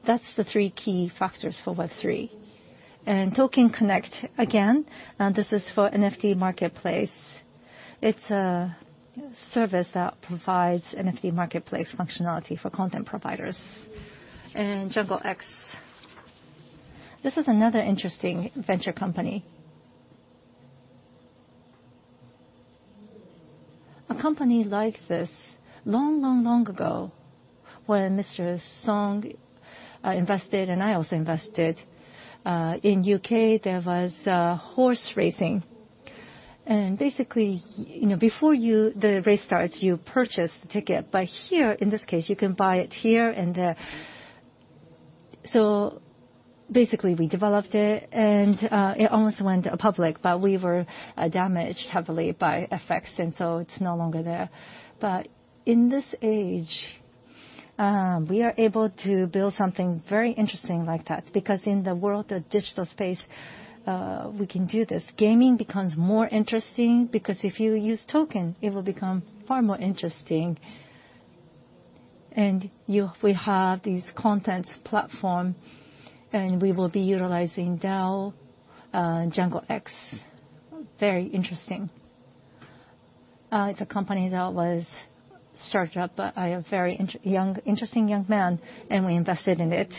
That's the three key factors for Web3. TOKEN CONNECT, again, this is for NFT marketplace. It's a service that provides NFT marketplace functionality for content providers. Jungle X, this is another interesting venture company. A company like this, long ago, when Mr. Son invested and I also invested in U.K., there was horse racing. Basically, you know, before the race starts, you purchase the ticket. Here, in this case, you can buy it here and there. Basically, we developed it, and it almost went public, but we were damaged heavily by effects, and so it's no longer there. In this age, we are able to build something very interesting like that. Because in the world of digital space, we can do this. Gaming becomes more interesting because if you use token, it will become far more interesting. We have these contents platform, and we will be utilizing DAO, Jungle X. Very interesting. It's a company that was started up by a very interesting young man, and we invested in it.